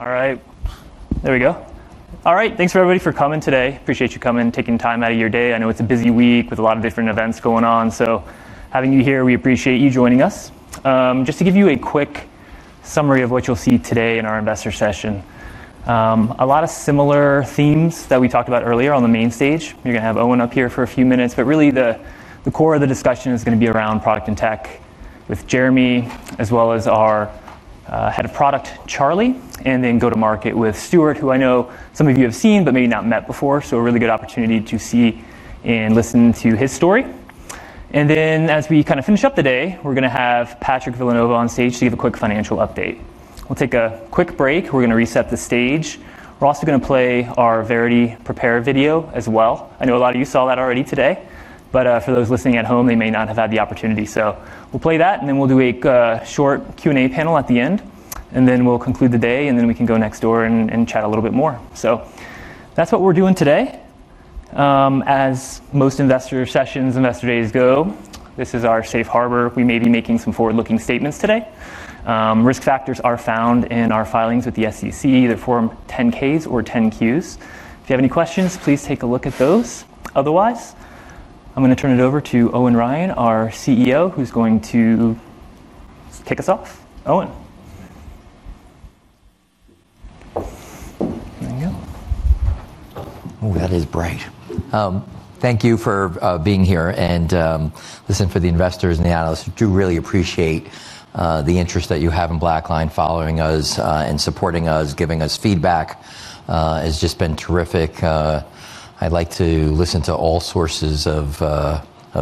All right. There we go. All right. Thanks for everybody for coming today. Appreciate you coming, taking time out of your day. I know it's a busy week with a lot of different events going on. Having you here, we appreciate you joining us. Just to give you a quick summary of what you'll see today in our investor session, a lot of similar themes that we talked about earlier on the main stage. You're going to have Owen up here for a few minutes, but really the core of the discussion is going to be around product and tech with Jeremy, as well as our Head of Product, Charlie, and then go to market with Stuart, who I know some of you have seen, but maybe not met before. A really good opportunity to see and listen to his story. As we kind of finish up the day, we're going to have Patrick Villanova on stage to give a quick financial update. We'll take a quick break. We're going to reset the stage. We're also going to play our Verity Prepare video as well. I know a lot of you saw that already today, but for those listening at home, they may not have had the opportunity. We'll play that and then we'll do a short Q&A panel at the end. We'll conclude the day and then we can go next door and chat a little bit more. That's what we're doing today. As most investor sessions, investor days go, this is our safe harbor. We may be making some forward-looking statements today. Risk factors are found in our filings with the SEC, their Form 10-Ks or 10-Qs. If you have any questions, please take a look at those. Otherwise, I'm going to turn it over to Owen Ryan, our CEO, who's going to kick us off. Owen. Oh, that is bright. Thank you for being here and listening. For the investors and the analysts, we do really appreciate the interest that you have in BlackLine, following us, and supporting us. Giving us feedback has just been terrific. I'd like to listen to all sources of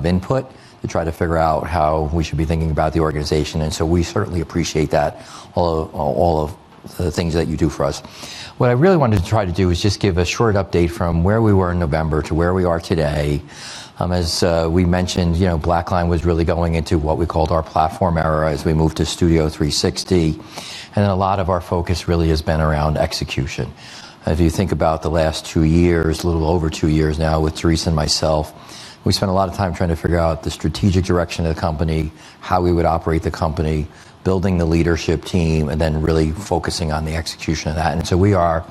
input to try to figure out how we should be thinking about the organization. We certainly appreciate that, all of the things that you do for us. What I really wanted to try to do is just give a short update from where we were in November to where we are today. As we mentioned, you know, BlackLine was really going into what we called our platform era as we moved to Studio360. A lot of our focus really has been around execution. If you think about the last two years, a little over two years now with Therese and myself, we spent a lot of time trying to figure out the strategic direction of the company, how we would operate the company, building the leadership team, and then really focusing on the execution of that. We are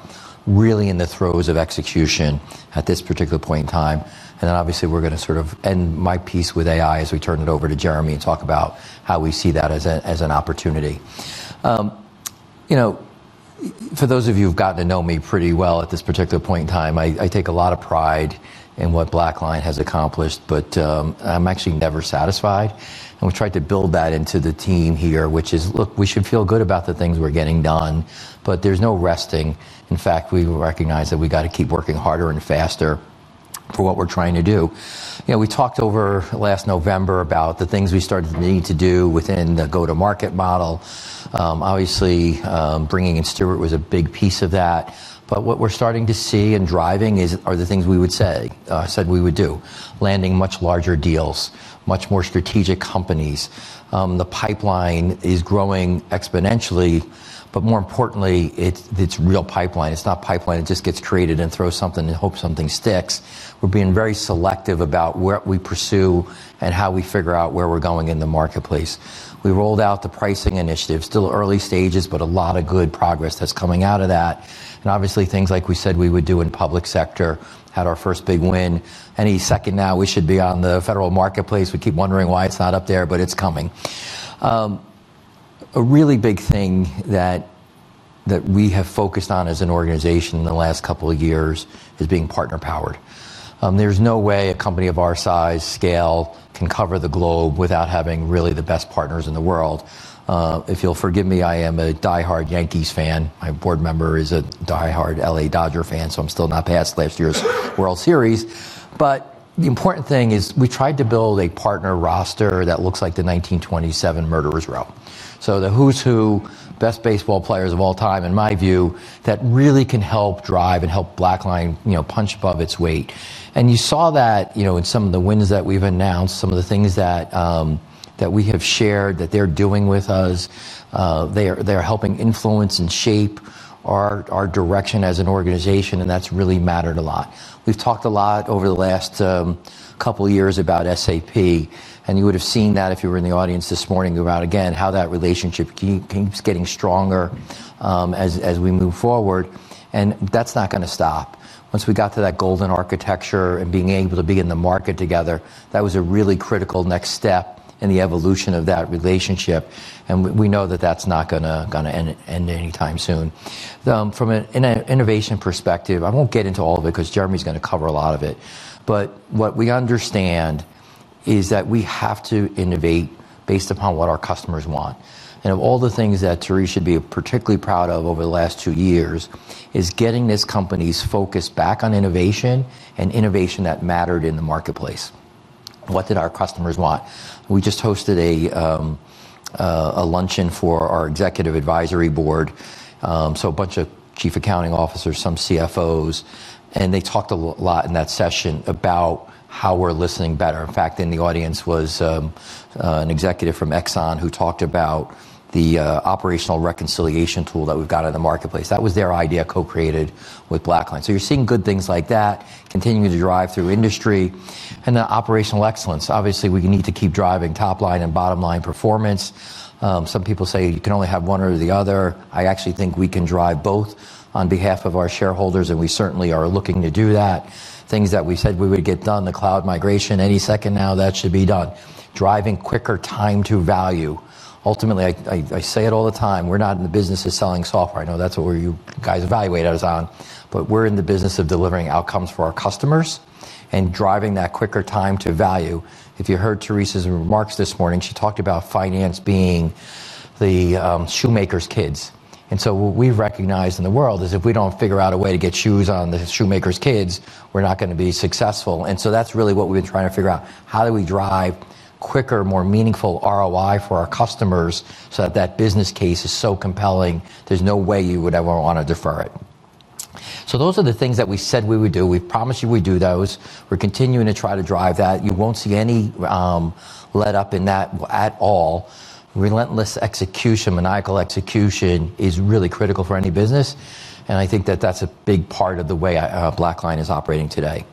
really in the throes of execution at this particular point in time. Obviously, we're going to sort of end my piece with AI as we turn it over to Jeremy and talk about how we see that as an opportunity. You know, for those of you who've gotten to know me pretty well at this particular point in time, I take a lot of pride in what BlackLine has accomplished, but I'm actually never satisfied. We've tried to build that into the team here, which is, look, we should feel good about the things we're getting done, but there's no resting. In fact, we recognize that we've got to keep working harder and faster for what we're trying to do. You know, we talked over last November about the things we started needing to do within the go-to-market model. Obviously, bringing in Stuart was a big piece of that. What we're starting to see and driving are the things we said we would do: landing much larger deals, much more strategic companies. The pipeline is growing exponentially, but more importantly, it's real pipeline. It's not pipeline that just gets created and throws something and hopes something sticks. We're being very selective about what we pursue and how we figure out where we're going in the marketplace. We rolled out the pricing initiative, still early stages, but a lot of good progress that's coming out of that. Obviously, things like we said we would do in the public sector had our first big win. Any second now, we should be on the federal marketplace. We keep wondering why it's not up there, but it's coming. A really big thing that we have focused on as an organization in the last couple of years is being partner-powered. There's no way a company of our size, scale, can cover the globe without having really the best partners in the world. If you'll forgive me, I am a die-hard Yankees fan. My board member is a die-hard LA Dodger fan, so I'm still not past last year's World Series. The important thing is we tried to build a partner roster that looks like the 1927 Murderers' Row. The who's who, best baseball players of all time, in my view, that really can help drive and help BlackLine punch above its weight. You saw that in some of the wins that we've announced, some of the things that we have shared that they're doing with us. They are helping influence and shape our direction as an organization, and that's really mattered a lot. We've talked a lot over the last couple of years about SAP, and you would have seen that if you were in the audience this morning, how that relationship keeps getting stronger as we move forward. That's not going to stop. Once we got to that golden architecture and being able to be in the market together, that was a really critical next step in the evolution of that relationship. We know that that's not going to end anytime soon. From an innovation perspective, I won't get into all of it because Jeremy's going to cover a lot of it. What we understand is that we have to innovate based upon what our customers want. Of all the things that Therese should be particularly proud of over the last two years is getting this company's focus back on innovation and innovation that mattered in the marketplace. What did our customers want? We just hosted a luncheon for our executive advisory board, so a bunch of Chief Accounting Officers, some CFOs, and they talked a lot in that session about how we're listening better. In fact, in the audience was an executive from Exxon who talked about the operational reconciliation tool that we've got in the marketplace. That was their idea co-created with BlackLine. You're seeing good things like that, continuing to drive through industry, and the operational excellence. Obviously, we need to keep driving top line and bottom line performance. Some people say you can only have one or the other. I actually think we can drive both on behalf of our shareholders, and we certainly are looking to do that. Things that we said we would get done, the cloud migration, any second now that should be done. Driving quicker time to value. Ultimately, I say it all the time, we're not in the business of selling software. I know that's what you guys evaluate us on, but we're in the business of delivering outcomes for our customers and driving that quicker time to value. If you heard Therese's remarks this morning, she talked about finance being the shoemaker's kids. What we've recognized in the world is if we don't figure out a way to get shoes on the shoemaker's kids, we're not going to be successful. That's really what we've been trying to figure out. How do we drive quicker, more meaningful ROI for our customers so that that business case is so compelling, there's no way you would ever want to defer it. Those are the things that we said we would do. We promise you we do those. We're continuing to try to drive that. You won't see any let up in that at all. Relentless execution, maniacal execution is really critical for any business. I think that that's a big part of the way BlackLine is operating today.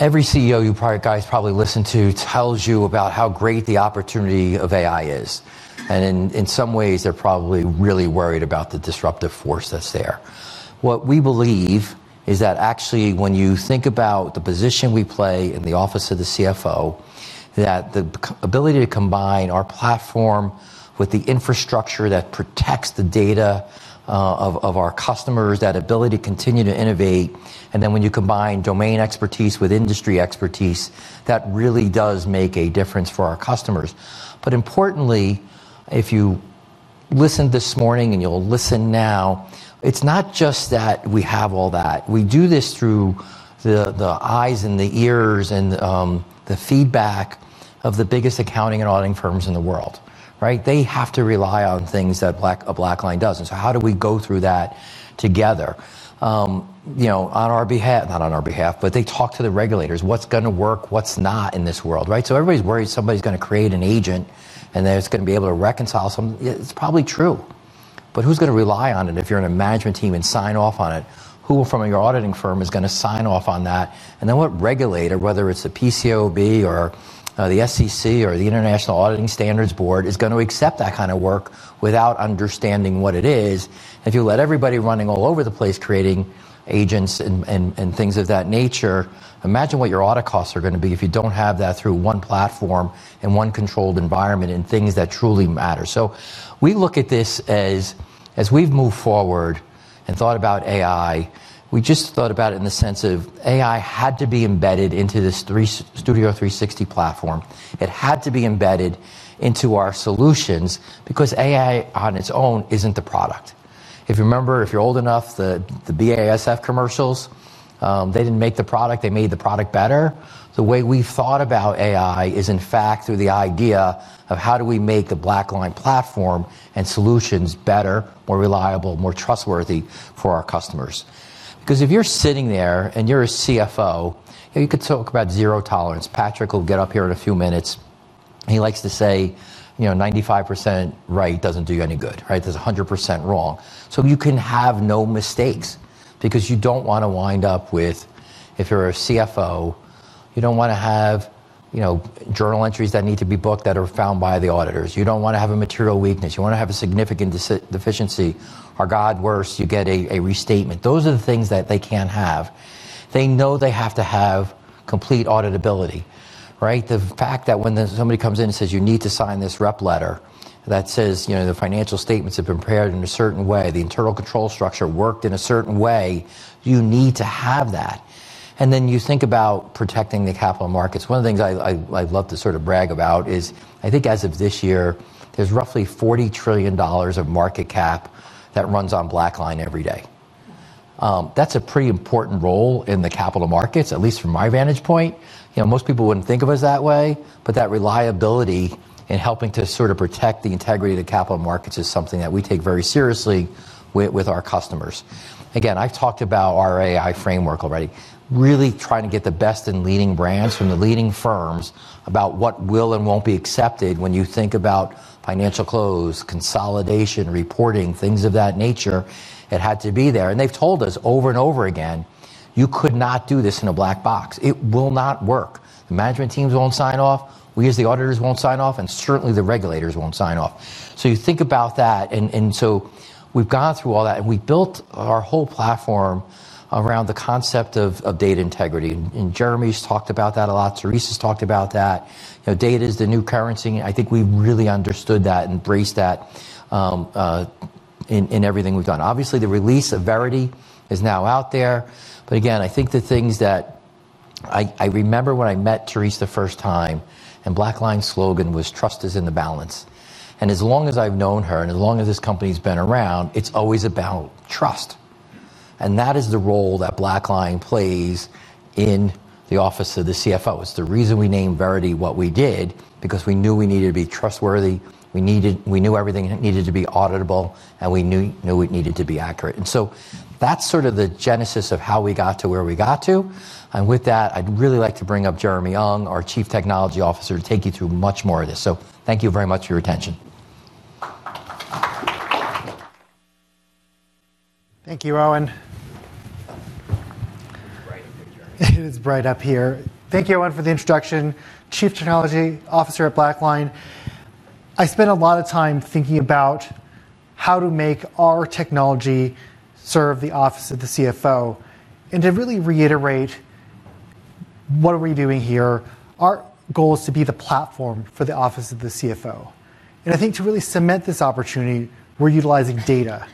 Every CEO you guys probably listen to tells you about how great the opportunity of AI is. In some ways, they're probably really worried about the disruptive force that's there. What we believe is that actually when you think about the position we play in the office of the CFO, that the ability to combine our platform with the infrastructure that protects the data of our customers, that ability to continue to innovate, and then when you combine domain expertise with industry expertise, that really does make a difference for our customers. Importantly, if you listened this morning and you'll listen now, it's not just that we have all that. We do this through the eyes and the ears and the feedback of the biggest accounting and auditing firms in the world. They have to rely on things that BlackLine does. How do we go through that together? They talk to the regulators. What's going to work, what's not in this world, right? Everybody's worried somebody's going to create an agent and then it's going to be able to reconcile some. It's probably true. Who's going to rely on it if you're in a management team and sign off on it? Who from your auditing firm is going to sign off on that? What regulator, whether it's the PCAOB or the SEC or the International Auditing Standards Board, is going to accept that kind of work without understanding what it is? If you let everybody running all over the place creating agents and things of that nature, imagine what your audit costs are going to be if you don't have that through one platform and one controlled environment and things that truly matter. We look at this as, as we've moved forward and thought about AI, we just thought about it in the sense of AI had to be embedded into this Studio360 platform. It had to be embedded into our solutions because AI on its own isn't the product. If you remember, if you're old enough, the BASF commercials, they didn't make the product. They made the product better. The way we've thought about AI is, in fact, through the idea of how do we make the BlackLine platform and solutions better, more reliable, more trustworthy for our customers. If you're sitting there and you're a CFO, you could talk about zero tolerance. Patrick will get up here in a few minutes. He likes to say, you know, 95% right doesn't do you any good, right? There's 100% wrong. You can have no mistakes because you don't want to wind up with, if you're a CFO, you don't want to have, you know, journal entries that need to be booked that are found by the auditors. You don't want to have a material weakness. You want to have a significant deficiency. Or, God, worse, you get a restatement. Those are the things that they can't have. They know they have to have complete auditability, right? The fact that when somebody comes in and says, you need to sign this rep letter that says, you know, the financial statements have been prepared in a certain way, the internal control structure worked in a certain way, you need to have that. You think about protecting the capital markets. One of the things I'd love to sort of brag about is, I think as of this year, there's roughly $40 trillion of market cap that runs on BlackLine every day. That's a pretty important role in the capital markets, at least from my vantage point. Most people wouldn't think of us that way, but that reliability in helping to sort of protect the integrity of the capital markets is something that we take very seriously with our customers. I've talked about our AI framework already, really trying to get the best in leading brands from the leading firms about what will and won't be accepted when you think about financial close, consolidation, reporting, things of that nature. It had to be there. They've told us over and over again, you could not do this in a black box. It will not work. The management teams won't sign off. We as the auditors won't sign off, and certainly the regulators won't sign off. You think about that. We've gone through all that, and we built our whole platform around the concept of data integrity. Jeremy's talked about that a lot. Therese has talked about that. You know, data is the new currency. I think we've really understood that and embraced that in everything we've done. Obviously, the release of Verity is now out there. I think the things that I remember when I met Therese the first time, and BlackLine's slogan was, "Trust is in the balance." As long as I've known her, and as long as this company's been around, it's always about trust. That is the role that BlackLine plays in the office of the CFO. It's the reason we named Verity what we did, because we knew we needed to be trustworthy. We knew everything needed to be auditable, and we knew it needed to be accurate. That's sort of the genesis of how we got to where we got to. With that, I'd really like to bring up Jeremy Ung, our Chief Technology Officer, to take you through much more of this. Thank you very much for your attention. Thank you, Owen. It's bright up here. Thank you, Owen, for the introduction. Chief Technology Officer at BlackLine. I spent a lot of time thinking about how to make our technology serve the office of the CFO. To really reiterate, what are we doing here? Our goal is to be the platform for the office of the CFO. I think to really cement this opportunity, we're utilizing data.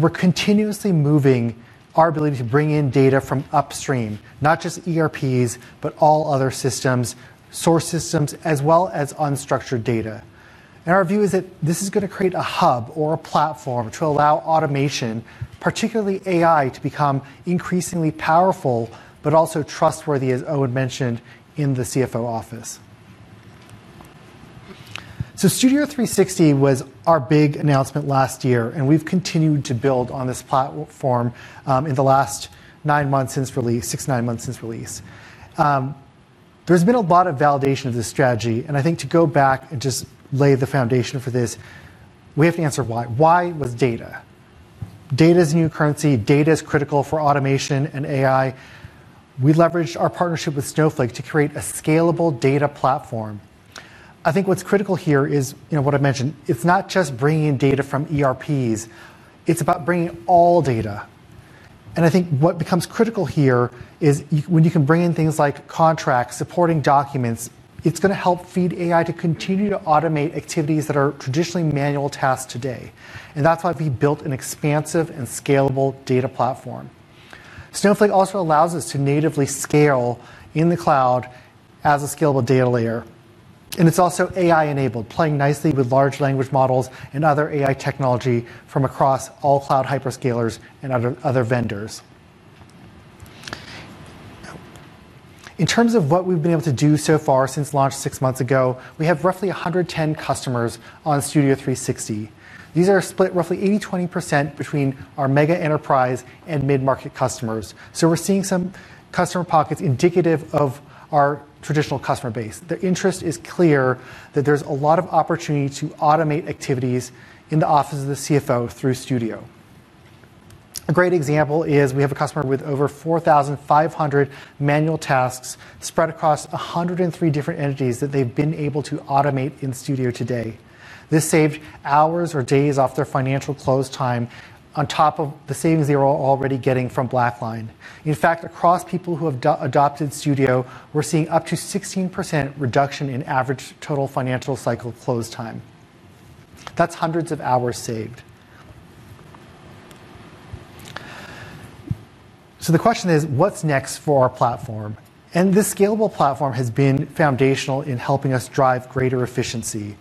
We're continuously moving our ability to bring in data from upstream, not just ERPs, but all other systems, source systems, as well as unstructured data. Our view is that this is going to create a hub or a platform to allow automation, particularly AI, to become increasingly powerful, but also trustworthy, as Owen mentioned, in the CFO office. Studio360 was our big announcement last year, and we've continued to build on this platform in the last nine months since release, six, nine months since release. There's been a lot of validation of this strategy. I think to go back and just lay the foundation for this, we have to answer why. Why was data? Data is a new currency. Data is critical for automation and AI. We leveraged our partnership with Snowflake to create a scalable data platform. I think what's critical here is, you know, what I mentioned, it's not just bringing in data from ERPs. It's about bringing all data. I think what becomes critical here is when you can bring in things like contracts, supporting documents, it's going to help feed AI to continue to automate activities that are traditionally manual tasks today. That's why we built an expansive and scalable data platform. Snowflake also allows us to natively scale in the cloud as a scalable data layer. It's also AI-enabled, playing nicely with large language models and other AI technology from across all cloud hyperscalers and other vendors. In terms of what we've been able to do so far since launch six months ago, we have roughly 110 customers on Studio360. These are split roughly 80/20 between our mega enterprise and mid-market customers. We're seeing some customer pockets indicative of our traditional customer base. Their interest is clear that there's a lot of opportunity to automate activities in the office of the CFO through Studio. A great example is we have a customer with over 4,500 manual tasks spread across 103 different entities that they've been able to automate in Studio today. This saved hours or days off their financial close time on top of the savings they were already getting from BlackLine. In fact, across people who have adopted Studio, we're seeing up to 16% reduction in average total financial cycle close time. That's hundreds of hours saved. The question is, what's next for our platform? This scalable platform has been foundational in helping us drive greater efficiency.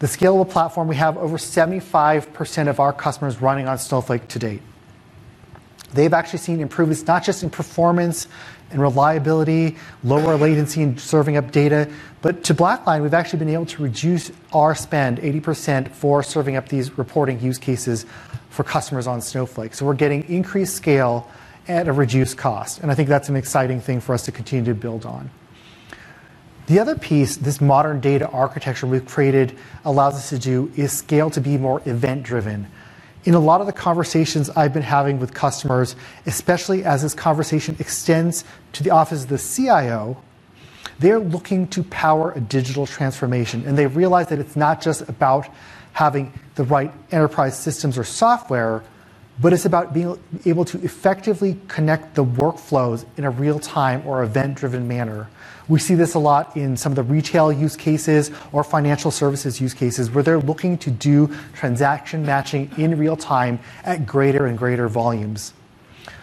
The scalable platform we have, over 75% of our customers are running on Snowflake to date. They've actually seen improvements not just in performance and reliability, lower latency in serving up data, but to BlackLine, we've actually been able to reduce our spend 80% for serving up these reporting use cases for customers on Snowflake. We're getting increased scale at a reduced cost. I think that's an exciting thing for us to continue to build on. The other piece this modern data architecture we've created allows us to do is scale to be more event-driven. In a lot of the conversations I've been having with customers, especially as this conversation extends to the office of the CIO, they're looking to power a digital transformation. They realize that it's not just about having the right enterprise systems or software, but it's about being able to effectively connect the workflows in a real-time or event-driven manner. We see this a lot in some of the retail use cases or financial services use cases where they're looking to do transaction matching in real-time at greater and greater volumes.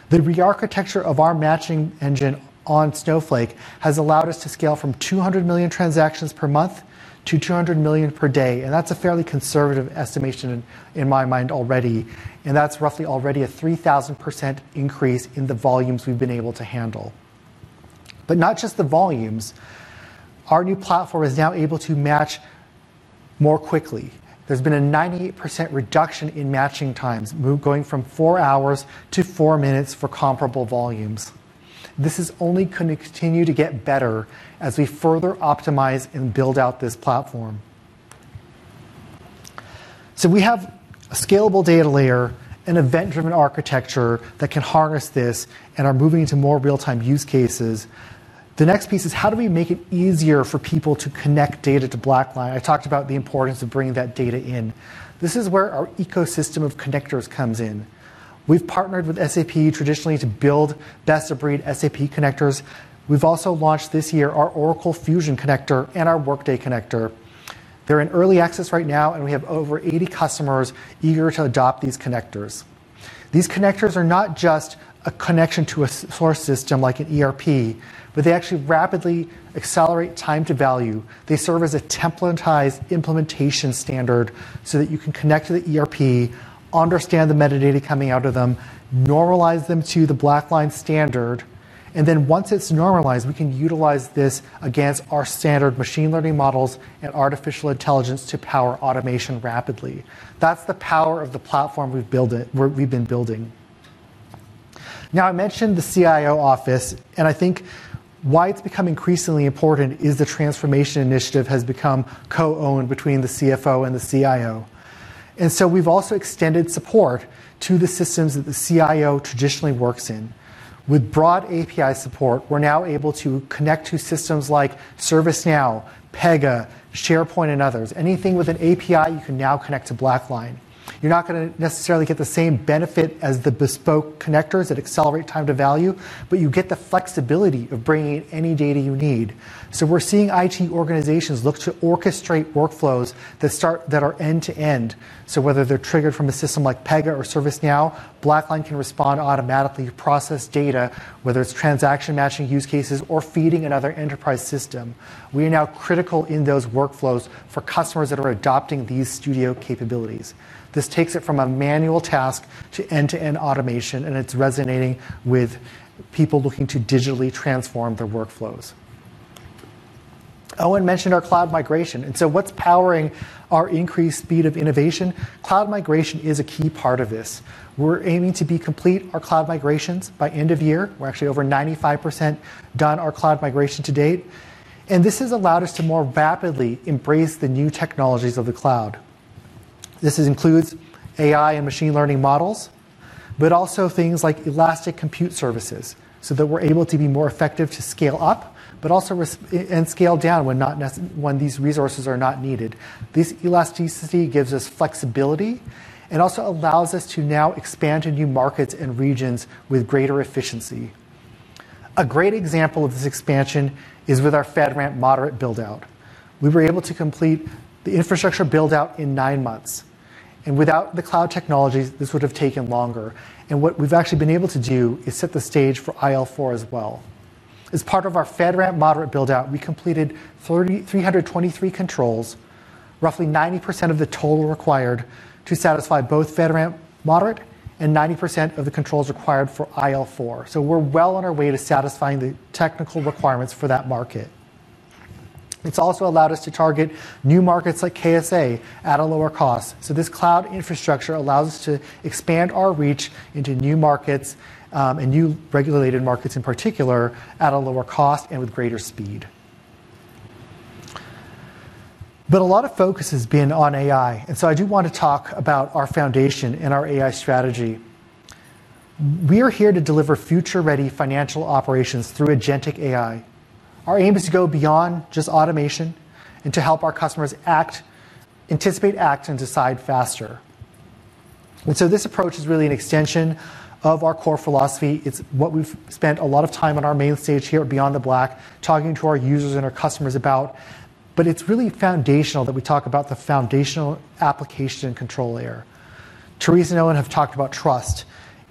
The re-architecture of our matching engine on Snowflake has allowed us to scale from 200 million transactions per month to 200 million per day. That's a fairly conservative estimation in my mind already. That's roughly already a 3,000% increase in the volumes we've been able to handle. Not just the volumes. Our new platform is now able to match more quickly. There's been a 98% reduction in matching times, going from four hours to four minutes for comparable volumes. This is only going to continue to get better as we further optimize and build out this platform. We have a scalable data layer, an event-driven architecture that can harness this, and are moving into more real-time use cases. The next piece is how do we make it easier for people to connect data to BlackLine? I talked about the importance of bringing that data in. This is where our ecosystem of connectors comes in. We've partnered with SAP traditionally to build best-of-breed SAP connectors. We've also launched this year our Oracle Fusion connector and our Workday connector. They're in early access right now, and we have over 80 customers eager to adopt these connectors. These connectors are not just a connection to a source system like an ERP, but they actually rapidly accelerate time to value. They serve as a templatized implementation standard so that you can connect to the ERP, understand the metadata coming out of them, normalize them to the BlackLine standard. Once it's normalized, we can utilize this against our standard machine learning models and artificial intelligence to power automation rapidly. That's the power of the platform we've been building. I mentioned the CIO office, and I think why it's become increasingly important is the transformation initiative has become co-owned between the CFO and the CIO. We've also extended support to the systems that the CIO traditionally works in. With broad API support, we're now able to connect to systems like ServiceNow, Pega, SharePoint, and others. Anything with an API you can now connect to BlackLine. You're not going to necessarily get the same benefit as the bespoke connectors that accelerate time to value, but you get the flexibility of bringing in any data you need. We're seeing IT organizations look to orchestrate workflows that are end-to-end. Whether they're triggered from a system like Pega or ServiceNow, BlackLine can respond automatically to process data, whether it's transaction matching use cases or feeding another enterprise system. We are now critical in those workflows for customers that are adopting these Studio360 capabilities. This takes it from a manual task to end-to-end automation, and it's resonating with people looking to digitally transform their workflows. Owen mentioned our cloud migration. What's powering our increased speed of innovation? Cloud migration is a key part of this. We're aiming to complete our cloud migrations by end of year. We're actually over 95% done our cloud migration to date. This has allowed us to more rapidly embrace the new technologies of the cloud. This includes AI and machine learning models, but also things like elastic compute services so that we're able to be more effective to scale up, but also scale down when these resources are not needed. This elasticity gives us flexibility and also allows us to now expand to new markets and regions with greater efficiency. A great example of this expansion is with our FedRAMP moderate buildout. We were able to complete the infrastructure buildout in nine months. Without the cloud technologies, this would have taken longer. What we've actually been able to do is set the stage for IL4 as well. As part of our FedRAMP moderate buildout, we completed 323 controls, roughly 90% of the total required to satisfy both FedRAMP moderate and 90% of the controls required for IL4. We're well on our way to satisfying the technical requirements for that market. It's also allowed us to target new markets like KSA at a lower cost. This cloud infrastructure allows us to expand our reach into new markets and new regulated markets in particular at a lower cost and with greater speed. A lot of focus has been on AI. I do want to talk about our foundation and our AI strategy. We are here to deliver future-ready financial operations through agentic AI. Our aim is to go beyond just automation and to help our customers anticipate, act, and decide faster. This approach is really an extension of our core philosophy. It's what we've spent a lot of time on our main stage here at BeyondTheBlack, talking to our users and our customers about. It's really foundational that we talk about the foundational application and control layer. Therese and Owen have talked about trust.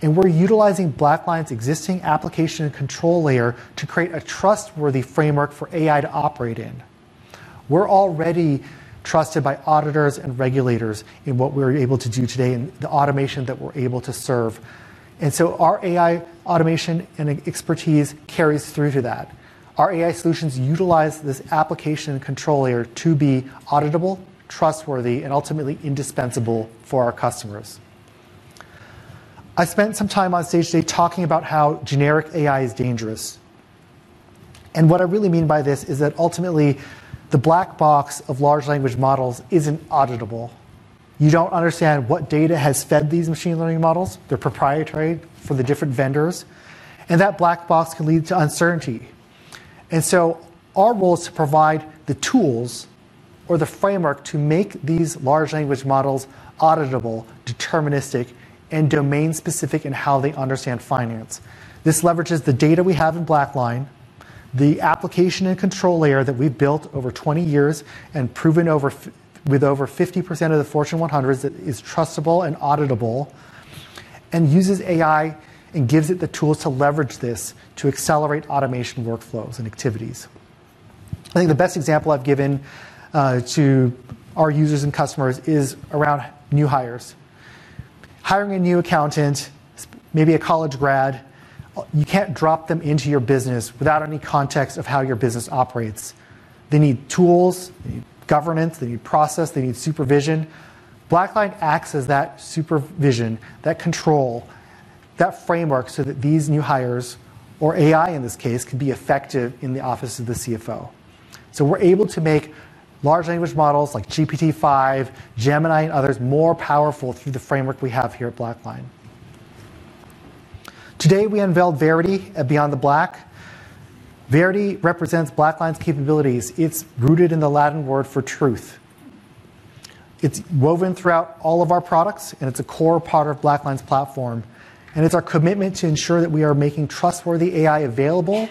We're utilizing BlackLine's existing application and control layer to create a trustworthy framework for AI to operate in. We're already trusted by auditors and regulators in what we're able to do today and the automation that we're able to serve. Our AI automation and expertise carries through to that. Our AI solutions utilize this application and control layer to be auditable, trustworthy, and ultimately indispensable for our customers. I spent some time on stage today talking about how generic AI is dangerous. What I really mean by this is that ultimately the black box of large language models isn't auditable. You don't understand what data has fed these machine learning models. They're proprietary for the different vendors. That black box can lead to uncertainty. Our goal is to provide the tools or the framework to make these large language models auditable, deterministic, and domain-specific in how they understand finance. This leverages the data we have in BlackLine, the application and control layer that we've built over 20 years and proven with over 50% of the Fortune 100s that is trustable and auditable, and uses AI and gives it the tools to leverage this to accelerate automation workflows and activities. I think the best example I've given to our users and customers is around new hires. Hiring a new accountant, maybe a college grad, you can't drop them into your business without any context of how your business operates. They need tools, they need governance, they need process, they need supervision. BlackLine acts as that supervision, that control, that framework so that these new hires, or AI in this case, can be effective in the office of the CFO. We're able to make large language models like GPT-5, Gemini, and others more powerful through the framework we have here at BlackLine. Today we unveiled Verity at BeyondTheBlack. Verity represents BlackLine's capabilities. It's rooted in the Latin word for truth. It's woven throughout all of our products, and it's a core part of BlackLine's platform. It's our commitment to ensure that we are making trustworthy AI available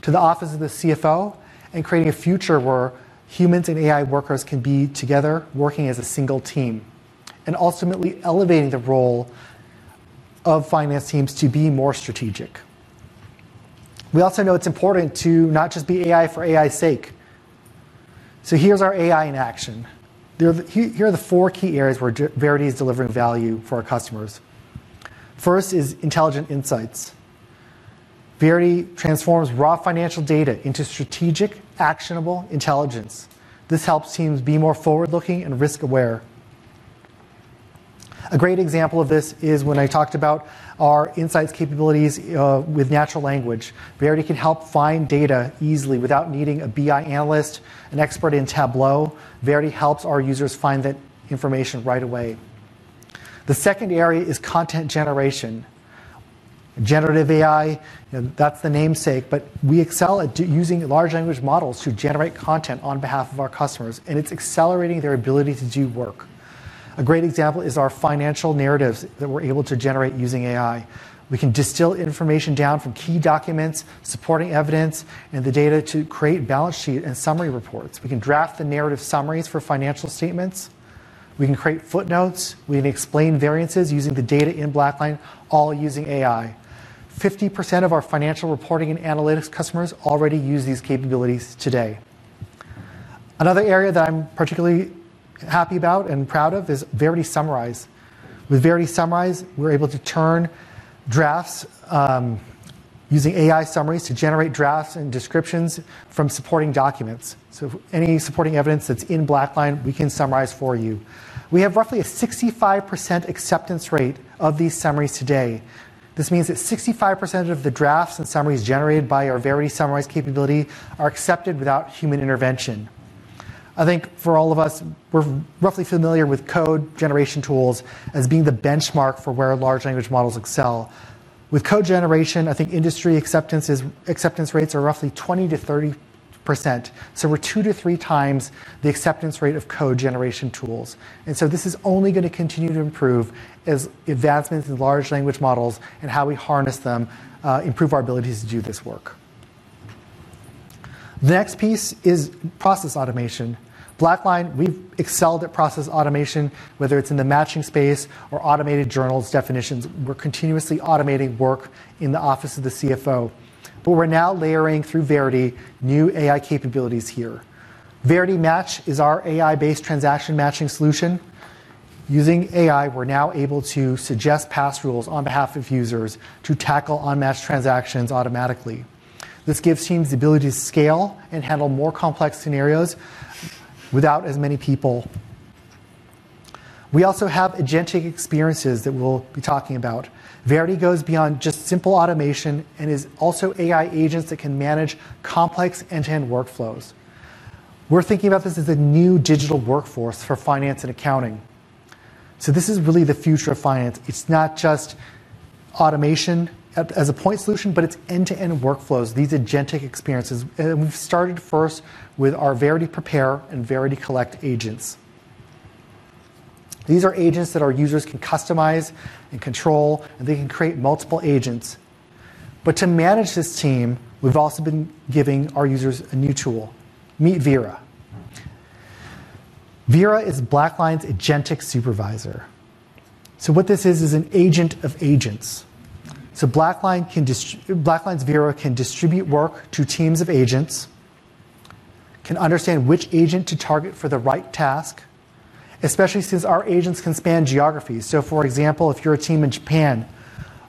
to the office of the CFO and creating a future where humans and AI workers can be together working as a single team, and ultimately elevating the role of finance teams to be more strategic. We also know it's important to not just be AI for AI's sake. Here's our AI in action. Here are the four key areas where Verity is delivering value for our customers. First is intelligent insights. Verity transforms raw financial data into strategic, actionable intelligence. This helps teams be more forward-looking and risk-aware. A great example of this is when I talked about our insights capabilities with natural language. Verity can help find data easily without needing a BI analyst, an expert in Tableau. Verity helps our users find that information right away. The second area is content generation. Generative AI, that's the namesake, but we excel at using large language models to generate content on behalf of our customers, and it's accelerating their ability to do work. A great example is our financial narratives that we're able to generate using AI. We can distill information down from key documents, supporting evidence, and the data to create balance sheets and summary reports. We can draft the narrative summaries for financial statements. We can create footnotes. We can explain variances using the data in BlackLine, all using AI. 50% of our financial reporting and analytics customers already use these capabilities today. Another area that I'm particularly happy about and proud of is Verity Summarize. With Verity Summarize, we're able to turn drafts using AI summaries to generate drafts and descriptions from supporting documents. Any supporting evidence that's in BlackLine, we can summarize for you. We have roughly a 65% acceptance rate of these summaries today. This means that 65% of the drafts and summaries generated by our Verity Summarize capability are accepted without human intervention. I think for all of us, we're roughly familiar with code generation tools as being the benchmark for where large language models excel. With code generation, I think industry acceptance rates are roughly 20%-30%. We're 2x-3x the acceptance rate of code generation tools. This is only going to continue to improve as advancements in large language models and how we harness them improve our abilities to do this work. The next piece is process automation. BlackLine, we've excelled at process automation, whether it's in the matching space or automated journals definitions. We're continuously automating work in the office of the CFO. We're now layering through Verity new AI capabilities here. Verity Match is our AI-based transaction matching solution. Using AI, we're now able to suggest pass rules on behalf of users to tackle unmatched transactions automatically. This gives teams the ability to scale and handle more complex scenarios without as many people. We also have agentic experiences that we'll be talking about. Verity goes beyond just simple automation and is also AI agents that can manage complex end-to-end workflows. We're thinking about this as a new digital workforce for finance and accounting. This is really the future of finance. It's not just automation as a point solution, but it's end-to-end workflows, these agentic experiences. We've started first with our Verity Prepare and Verity Collect agents. These are agents that our users can customize and control, and they can create multiple agents. To manage this team, we've also been giving our users a new tool. Meet Vera. Vera is BlackLine's agentic supervisor. What this is is an agent of agents. BlackLine's Vera can distribute work to teams of agents, can understand which agent to target for the right task, especially since our agents can span geographies. For example, if you're a team in Japan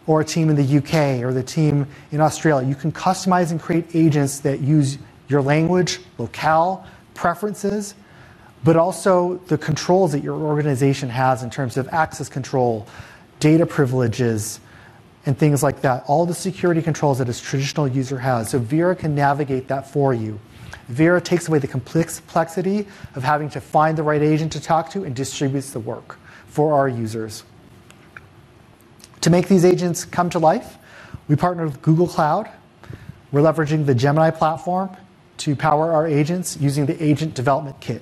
or a team in the U.K. or the team in Australia, you can customize and create agents that use your language, locale preferences, but also the controls that your organization has in terms of access control, data privileges, and things like that. All the security controls that a traditional user has. Vera can navigate that for you. Vera takes away the complexity of having to find the right agent to talk to and distributes the work for our users. To make these agents come to life, we partnered with Google Cloud. We're leveraging the Gemini platform to power our agents using the Agent Development Kit.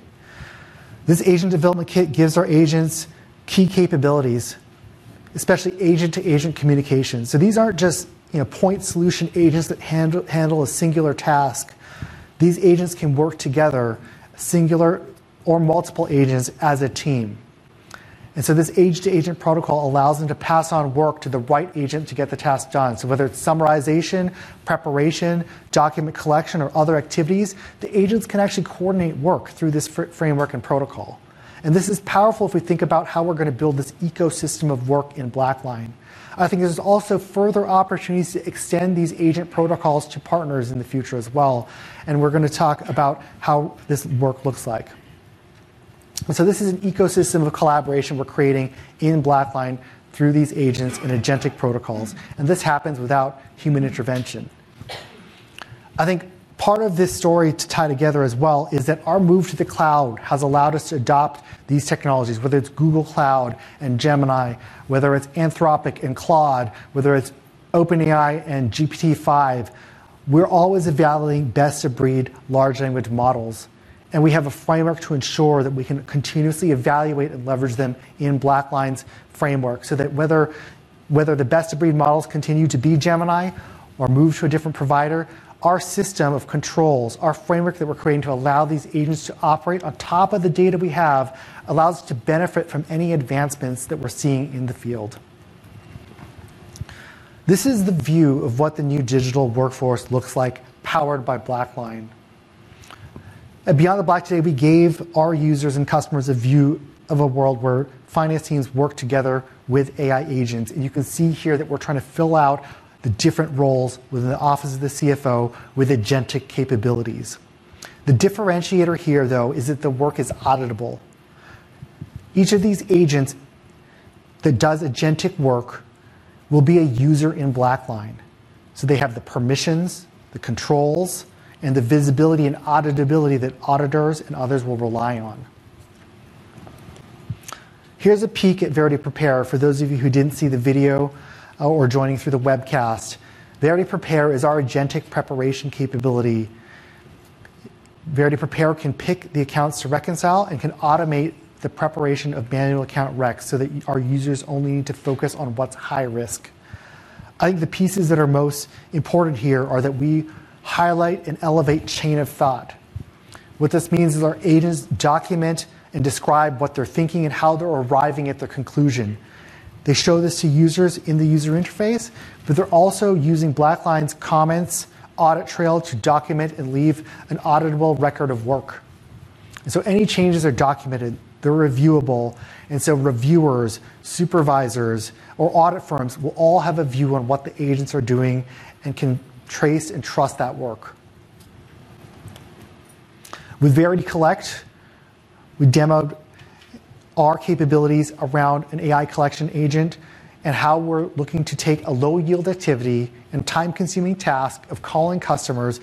This Agent Development Kit gives our agents key capabilities, especially agent-to-agent communication. These aren't just point solution agents that handle a singular task. These agents can work together, singular or multiple agents as a team. This agent-to-agent protocol allows them to pass on work to the right agent to get the task done. Whether it's summarization, preparation, document collection, or other activities, the agents can actually coordinate work through this framework and protocol. This is powerful if we think about how we're going to build this ecosystem of work in BlackLine. I think there's also further opportunities to extend these agent protocols to partners in the future as well. We're going to talk about how this work looks like. This is an ecosystem of collaboration we're creating in BlackLine through these agents and agentic protocols. This happens without human intervention. I think part of this story to tie together as well is that our move to the cloud has allowed us to adopt these technologies, whether it's Google Cloud and Gemini, whether it's Anthropic and Claude, whether it's OpenAI and GPT-5. We're always evaluating best-of-breed large language models. We have a framework to ensure that we can continuously evaluate and leverage them in BlackLine's framework so that whether the best-of-breed models continue to be Gemini or move to a different provider, our system of controls, our framework that we're creating to allow these agents to operate on top of the data we have allows us to benefit from any advancements that we're seeing in the field. This is the view of what the new digital workforce looks like powered by BlackLine. At BeyondTheBlack today, we gave our users and customers a view of a world where finance teams work together with AI agents. You can see here that we're trying to fill out the different roles within the Office of the CFO with agentic capabilities. The differentiator here, though, is that the work is auditable. Each of these agents that does agentic work will be a user in BlackLine. They have the permissions, the controls, and the visibility and auditability that auditors and others will rely on. Here's a peek at Verity Prepare. For those of you who didn't see the video or are joining through the webcast, Verity Prepare is our agentic preparation capability. Verity Prepare can pick the accounts to reconcile and can automate the preparation of manual account recs so that our users only need to focus on what's high risk. I think the pieces that are most important here are that we highlight and elevate chain of thought. What this means is our agents document and describe what they're thinking and how they're arriving at the conclusion. They show this to users in the user interface, but they're also using BlackLine's comments audit trail to document and leave an auditable record of work. Any changes are documented. They're reviewable. Reviewers, supervisors, or audit firms will all have a view on what the agents are doing and can trace and trust that work. With Verity Collect, we demoed our capabilities around an AI collection agent and how we're looking to take a low-yield activity and time-consuming task of calling customers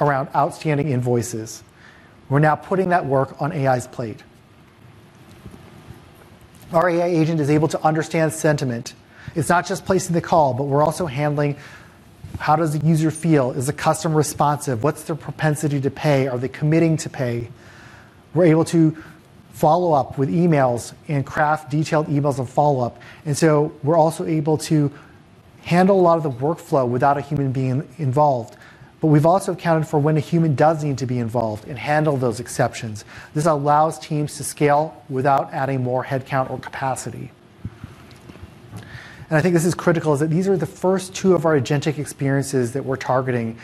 around outstanding invoices. We're now putting that work on AI's plate. Our AI agent is able to understand sentiment. It's not just placing the call, but we're also handling how does the user feel? Is the customer responsive? What's their propensity to pay? Are they committing to pay? We're able to follow up with emails and craft detailed emails of follow-up. We're also able to handle a lot of the workflow without a human being involved. We've also accounted for when a human does need to be involved and handle those exceptions. This allows teams to scale without adding more headcount or capacity. I think this is critical as these are the first two of our agentic experiences that we're targeting.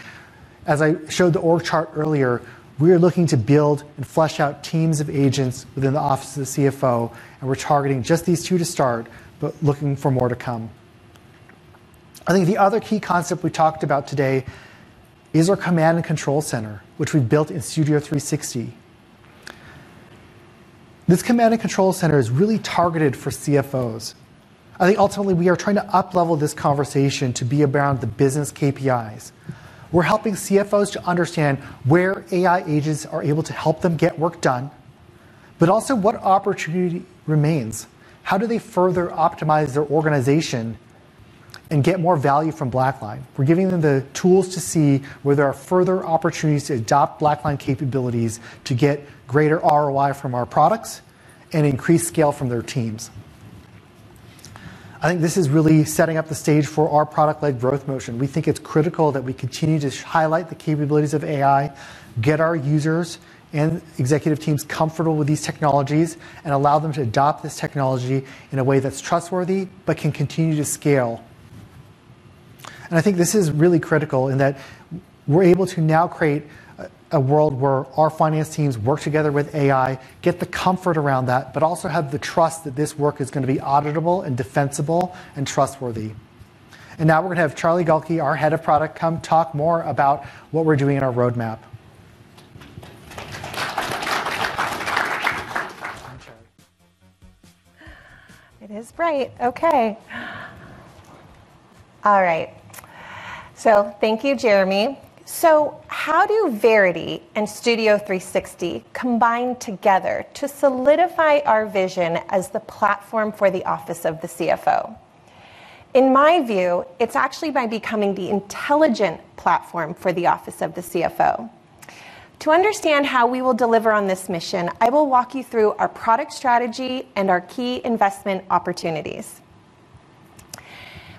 As I showed the org chart earlier, we are looking to build and flesh out teams of agents within the Office of the CFO. We're targeting just these two to start, but looking for more to come. I think the other key concept we talked about today is our command and control center, which we've built in Studio360. This command and control center is really targeted for CFOs. I think ultimately we are trying to up-level this conversation to be around the business KPIs. We're helping CFOs to understand where AI agents are able to help them get work done, but also what opportunity remains. How do they further optimize their organization and get more value from BlackLine? We're giving them the tools to see where there are further opportunities to adopt BlackLine capabilities to get greater ROI from our products and increase scale from their teams. I think this is really setting up the stage for our product-led growth motion. It is critical that we continue to highlight the capabilities of AI, get our users and executive teams comfortable with these technologies, and allow them to adopt this technology in a way that's trustworthy but can continue to scale. I think this is really critical in that we're able to now create a world where our finance teams work together with AI, get the comfort around that, but also have the trust that this work is going to be auditable and defensible and trustworthy. Now we're going to have Charlie Gaulke, our Head of Product, come talk more about what we're doing in our roadmap. It is bright. Okay. All right. Thank you, Jeremy. How do Verity and Studio360 combine together to solidify our vision as the platform for the office of the CFO? In my view, it's actually by becoming the intelligent platform for the office of the CFO. To understand how we will deliver on this mission, I will walk you through our product strategy and our key investment opportunities.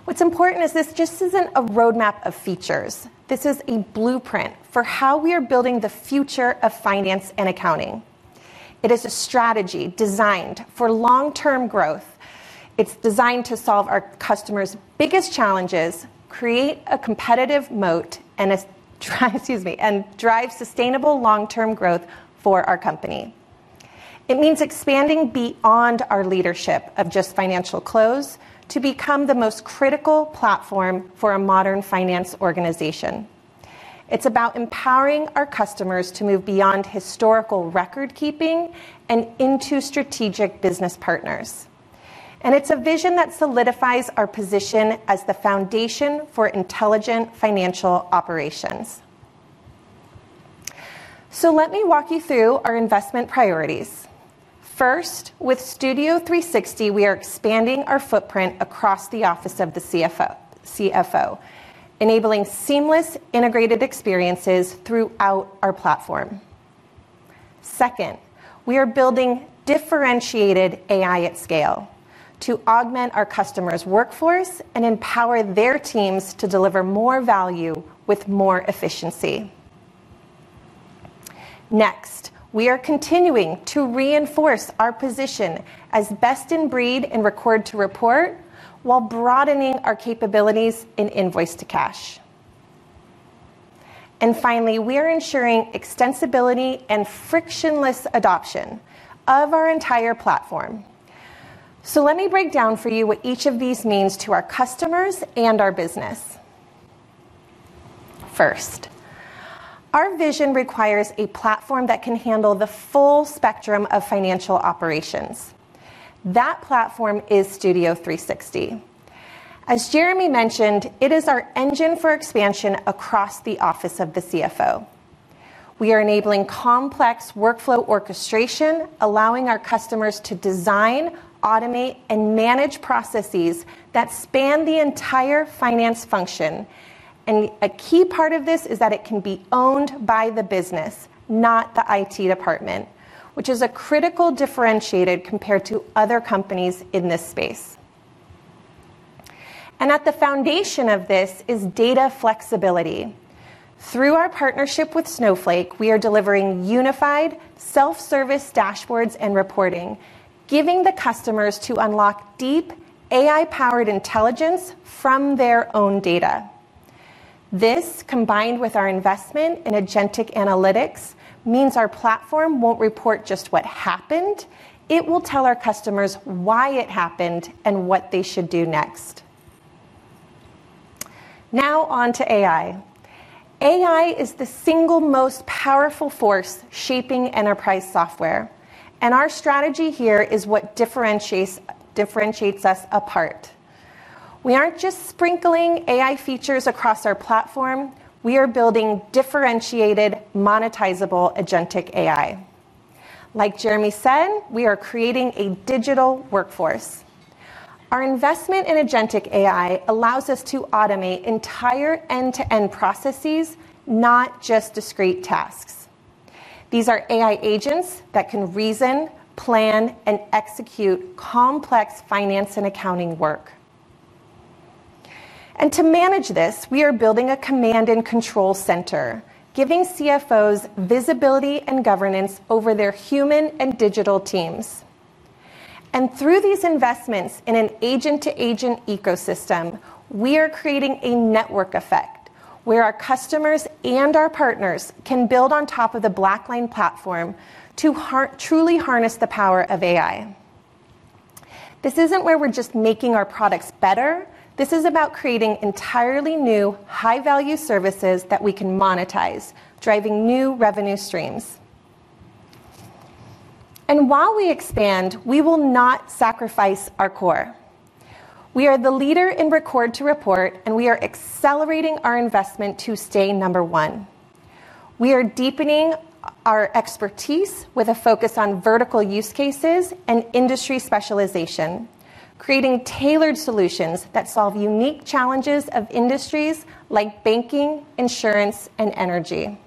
What's important is this just isn't a roadmap of features. This is a blueprint for how we are building the future of finance and accounting. It is a strategy designed for long-term growth. It's designed to solve our customers' biggest challenges, create a competitive moat, and drive sustainable long-term growth for our company. It means expanding beyond our leadership of just financial close to become the most critical platform for a modern finance organization. It's about empowering our customers to move beyond historical record-keeping and into strategic business partners. It is a vision that solidifies our position as the foundation for intelligent financial operations. Let me walk you through our investment priorities. First, with Studio360, we are expanding our footprint across the office of the CFO, enabling seamless integrated experiences throughout our platform. Second, we are building differentiated AI at scale to augment our customers' workforce and empower their teams to deliver more value with more efficiency. Next, we are continuing to reinforce our position as best-in-breed in record-to-report while broadening our capabilities in invoice to cash. Finally, we are ensuring extensibility and frictionless adoption of our entire platform. Let me break down for you what each of these means to our customers and our business. First, our vision requires a platform that can handle the full spectrum of financial operations. That platform is Studio360. As Jeremy mentioned, it is our engine for expansion across the office of the CFO. We are enabling complex workflow orchestration, allowing our customers to design, automate, and manage processes that span the entire finance function. A key part of this is that it can be owned by the business, not the IT department, which is a critical differentiator compared to other companies in this space. At the foundation of this is data flexibility. Through our partnership with Snowflake, we are delivering unified self-service dashboards and reporting, giving the customers to unlock deep AI-powered intelligence from their own data. This, combined with our investment in agentic analytics, means our platform won't report just what happened. It will tell our customers why it happened and what they should do next. Now on to AI. AI is the single most powerful force shaping enterprise software. Our strategy here is what differentiates us apart. We aren't just sprinkling AI features across our platform. We are building differentiated, monetizable agentic AI. Like Jeremy said, we are creating a digital workforce. Our investment in agentic AI allows us to automate entire end-to-end processes, not just discrete tasks. These are AI agents that can reason, plan, and execute complex finance and accounting work. To manage this, we are building a command and control center, giving CFOs visibility and governance over their human and digital teams. Through these investments in an agent-to-agent ecosystem, we are creating a network effect where our customers and our partners can build on top of the BlackLine platform to truly harness the power of AI. This isn't where we're just making our products better. This is about creating entirely new high-value services that we can monetize, driving new revenue streams. While we expand, we will not sacrifice our core. We are the leader in record-to-report, and we are accelerating our investment to stay number one. We are deepening our expertise with a focus on vertical use cases and industry specialization, creating tailored solutions that solve unique challenges of industries like banking, insurance, and energy.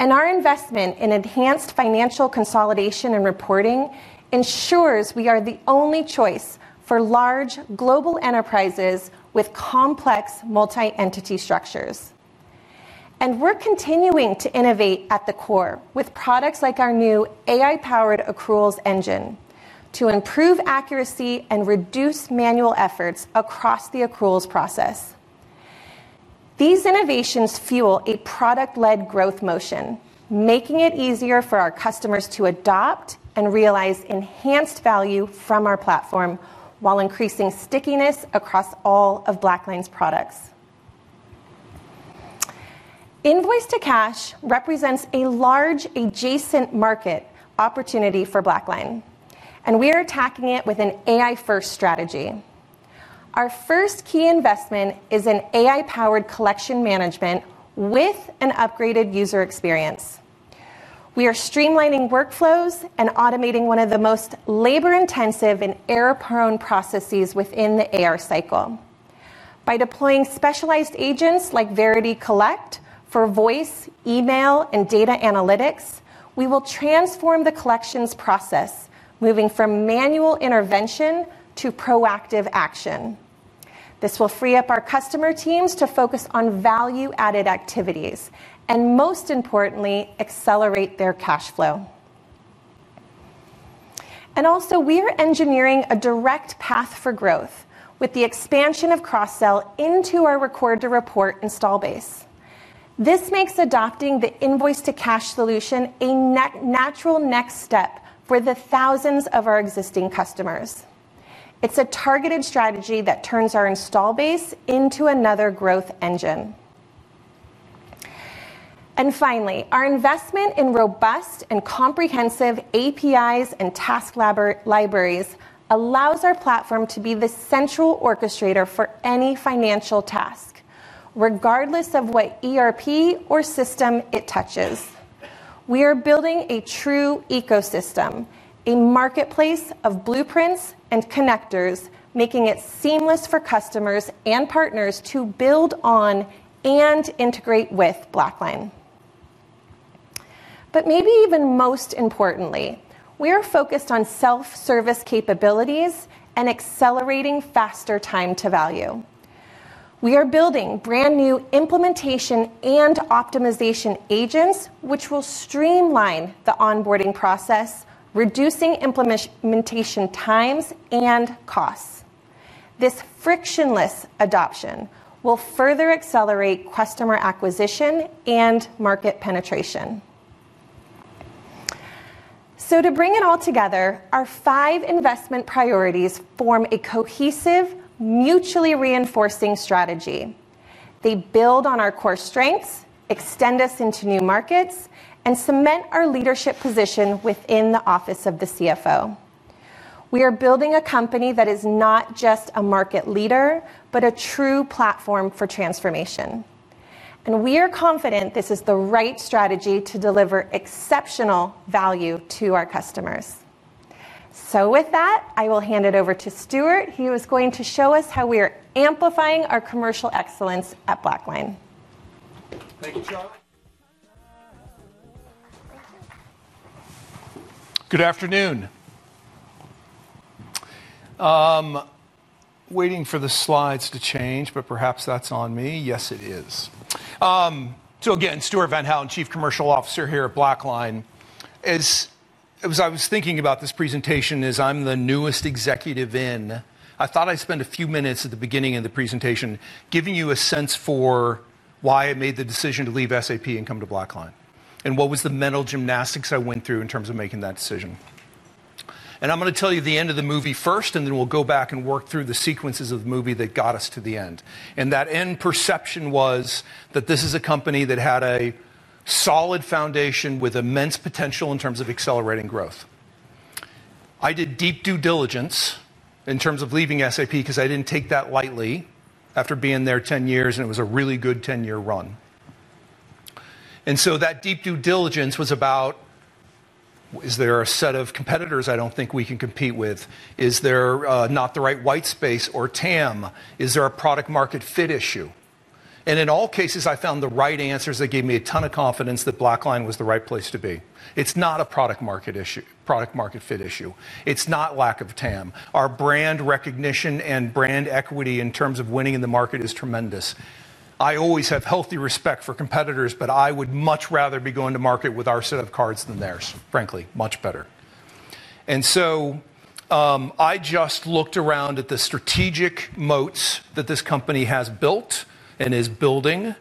Our investment in enhanced financial consolidation and reporting ensures we are the only choice for large global enterprises with complex multi-entity structures. We're continuing to innovate at the core with products like our new AI-powered accruals engine to improve accuracy and reduce manual efforts across the accruals process. These innovations fuel a product-led growth motion, making it easier for our customers to adopt and realize enhanced value from our platform while increasing stickiness across all of BlackLine's products. Invoice to cash represents a large adjacent market opportunity for BlackLine, and we are attacking it with an AI-first strategy. Our first key investment is an AI-powered collection management with an upgraded user experience. We are streamlining workflows and automating one of the most labor-intensive and error-prone processes within the AR cycle. By deploying specialized agents like Verity Collect for voice, email, and data analytics, we will transform the collections process, moving from manual intervention to proactive action. This will free up our customer teams to focus on value-added activities and, most importantly, accelerate their cash flow. We are engineering a direct path for growth with the expansion of cross-sell into our record-to-report install base. This makes adopting the invoice-to-cash solution a natural next step for the thousands of our existing customers. It's a targeted strategy that turns our install base into another growth engine. Finally, our investment in robust and comprehensive APIs and task libraries allows our platform to be the central orchestrator for any financial task, regardless of what ERP or system it touches. We are building a true ecosystem, a marketplace of blueprints and connectors, making it seamless for customers and partners to build on and integrate with BlackLine. Maybe even most importantly, we are focused on self-service capabilities and accelerating faster time to value. We are building brand new implementation and optimization agents, which will streamline the onboarding process, reducing implementation times and costs. This frictionless adoption will further accelerate customer acquisition and market penetration. To bring it all together, our five investment priorities form a cohesive, mutually reinforcing strategy. They build on our core strengths, extend us into new markets, and cement our leadership position within the office of the CFO. We are building a company that is not just a market leader, but a true platform for transformation. We are confident this is the right strategy to deliver exceptional value to our customers. With that, I will hand it over to Stuart. He is going to show us how we are amplifying our commercial excellence at BlackLine. Thank you, Charlie. Good afternoon. Waiting for the slides to change, but perhaps that's on me. Yes, it is. Again, Stuart Van Houwelen, Chief Commercial Officer here at BlackLine. As I was thinking about this presentation, I'm the newest executive in. I thought I'd spend a few minutes at the beginning of the presentation giving you a sense for why I made the decision to leave SAP and come to BlackLine and what was the mental gymnastics I went through in terms of making that decision. I'm going to tell you the end of the movie first, then we'll go back and work through the sequences of the movie that got us to the end. That end perception was that this is a company that had a solid foundation with immense potential in terms of accelerating growth. I did deep due diligence in terms of leaving SAP because I didn't take that lightly after being there 10 years, and it was a really good 10-year run. That deep due diligence was about, is there a set of competitors I don't think we can compete with? Is there not the right white space or TAM? Is there a product-market fit issue? In all cases, I found the right answers that gave me a ton of confidence that BlackLine was the right place to be. It's not a product-market fit issue. It's not lack of TAM. Our brand recognition and brand equity in terms of winning in the market is tremendous. I always have healthy respect for competitors, but I would much rather be going to market with our set of cards than theirs, frankly, much better. I just looked around at the strategic moats that this company has built and is building.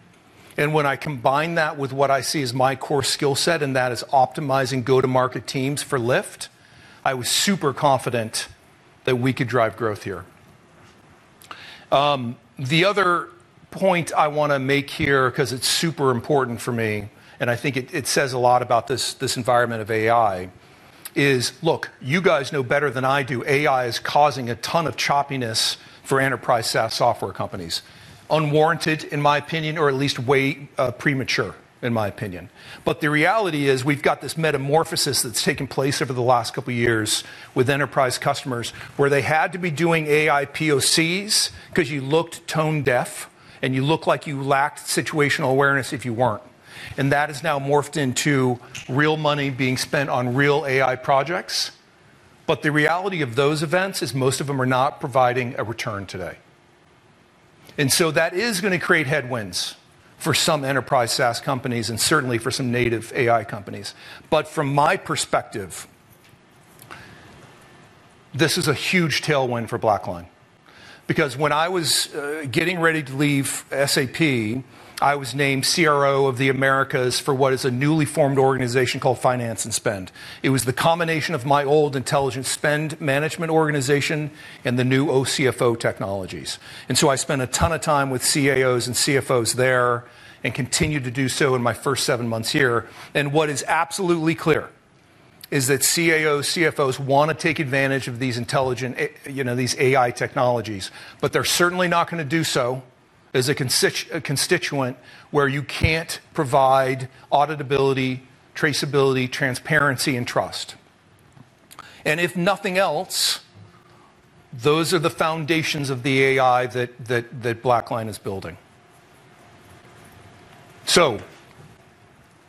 When I combine that with what I see as my core skill set, and that is optimizing go-to-market teams for lift, I was super confident that we could drive growth here. The other point I want to make here, because it's super important for me, and I think it says a lot about this environment of AI, is, look, you guys know better than I do. AI is causing a ton of choppiness for enterprise SaaS software companies, unwarranted, in my opinion, or at least way premature, in my opinion. The reality is we've got this metamorphosis that's taken place over the last couple of years with enterprise customers where they had to be doing AI POCs because you looked tone deaf and you looked like you lacked situational awareness if you weren't. That has now morphed into real money being spent on real AI projects. The reality of those events is most of them are not providing a return today. That is going to create headwinds for some enterprise SaaS companies and certainly for some native AI companies. From my perspective, this is a huge tailwind for BlackLine. When I was getting ready to leave SAP, I was named CRO of the Americas for what is a newly formed organization called Finance and Spend. It was the combination of my old Intelligent Spend Management organization and the new oCFO technologies. I spent a ton of time with CAOs and CFOs there and continued to do so in my first seven months here. What is absolutely clear is that CAOs and CFOs want to take advantage of these intelligent, you know, these AI technologies, but they're certainly not going to do so as a constituent where you can't provide auditability, traceability, transparency, and trust. If nothing else, those are the foundations of the AI that BlackLine is building.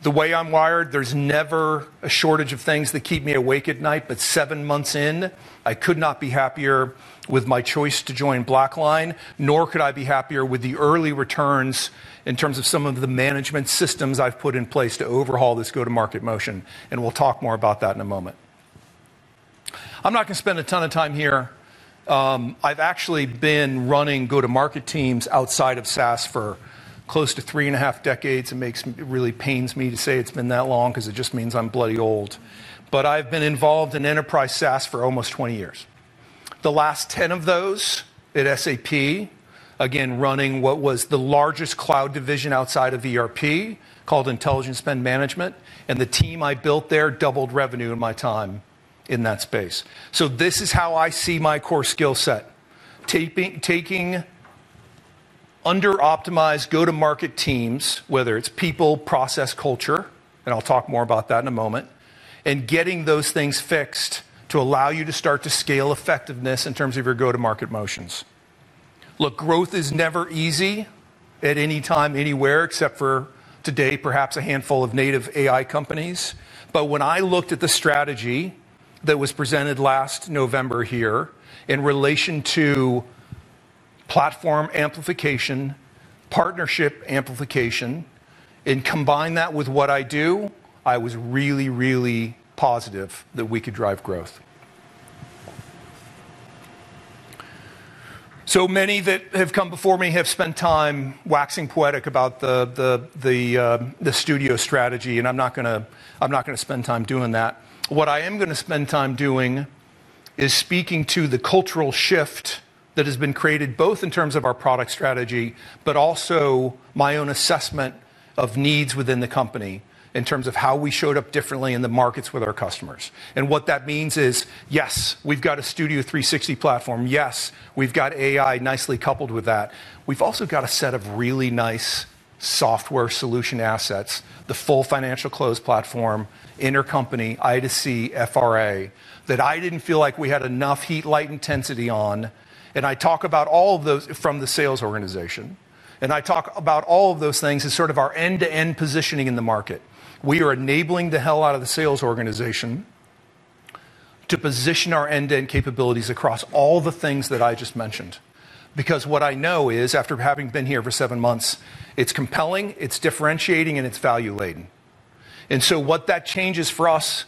The way I'm wired, there's never a shortage of things that keep me awake at night. Seven months in, I could not be happier with my choice to join BlackLine, nor could I be happier with the early returns in terms of some of the management systems I've put in place to overhaul this go-to-market motion. We'll talk more about that in a moment. I'm not going to spend a ton of time here. I've actually been running go-to-market teams outside of SaaS for close to three and a half decades. It really pains me to say it's been that long because it just means I'm bloody old. I've been involved in enterprise SaaS for almost 20 years. The last 10 of those at SAP, again, running what was the largest cloud division outside of ERP called Intelligent Spend Management. The team I built there doubled revenue in my time in that space. This is how I see my core skill set: taking under-optimized go-to-market teams, whether it's people, process, culture, and I'll talk more about that in a moment, and getting those things fixed to allow you to start to scale effectiveness in terms of your go-to-market motions. Growth is never easy at any time, anywhere, except for today, perhaps a handful of native AI companies. When I looked at the strategy that was presented last November here in relation to platform amplification, partnership amplification, and combined that with what I do, I was really, really positive that we could drive growth. So many that have come before me have spent time waxing poetic about the Studio strategy, and I'm not going to spend time doing that. What I am going to spend time doing is speaking to the cultural shift that has been created both in terms of our product strategy, but also my own assessment of needs within the company in terms of how we showed up differently in the markets with our customers. What that means is, yes, we've got a Studio360 platform. Yes, we've got AI nicely coupled with that. We've also got a set of really nice software solution assets, the full financial close platform, intercompany, I2C, FRA, that I didn't feel like we had enough heat, light, intensity on. I talk about all of those from the sales organization. I talk about all of those things as sort of our end-to-end positioning in the market. We are enabling the hell out of the sales organization to position our end-to-end capabilities across all the things that I just mentioned. What I know is, after having been here for seven months, it's compelling, it's differentiating, and it's value-laden. What that changes for us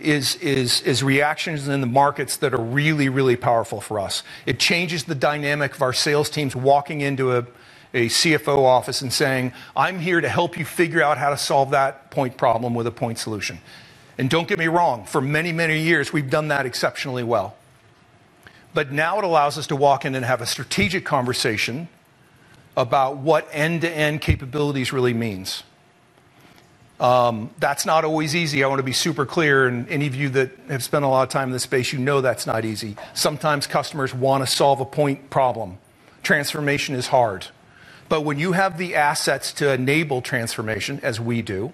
is reactions in the markets that are really, really powerful for us. It changes the dynamic of our sales teams walking into a CFO office and saying, "I'm here to help you figure out how to solve that point problem with a point solution." Don't get me wrong, for many, many years, we've done that exceptionally well. Now it allows us to walk in and have a strategic conversation about what end-to-end capabilities really means. That's not always easy. I want to be super clear, and any of you that have spent a lot of time in this space, you know that's not easy. Sometimes customers want to solve a point problem. Transformation is hard. When you have the assets to enable transformation, as we do,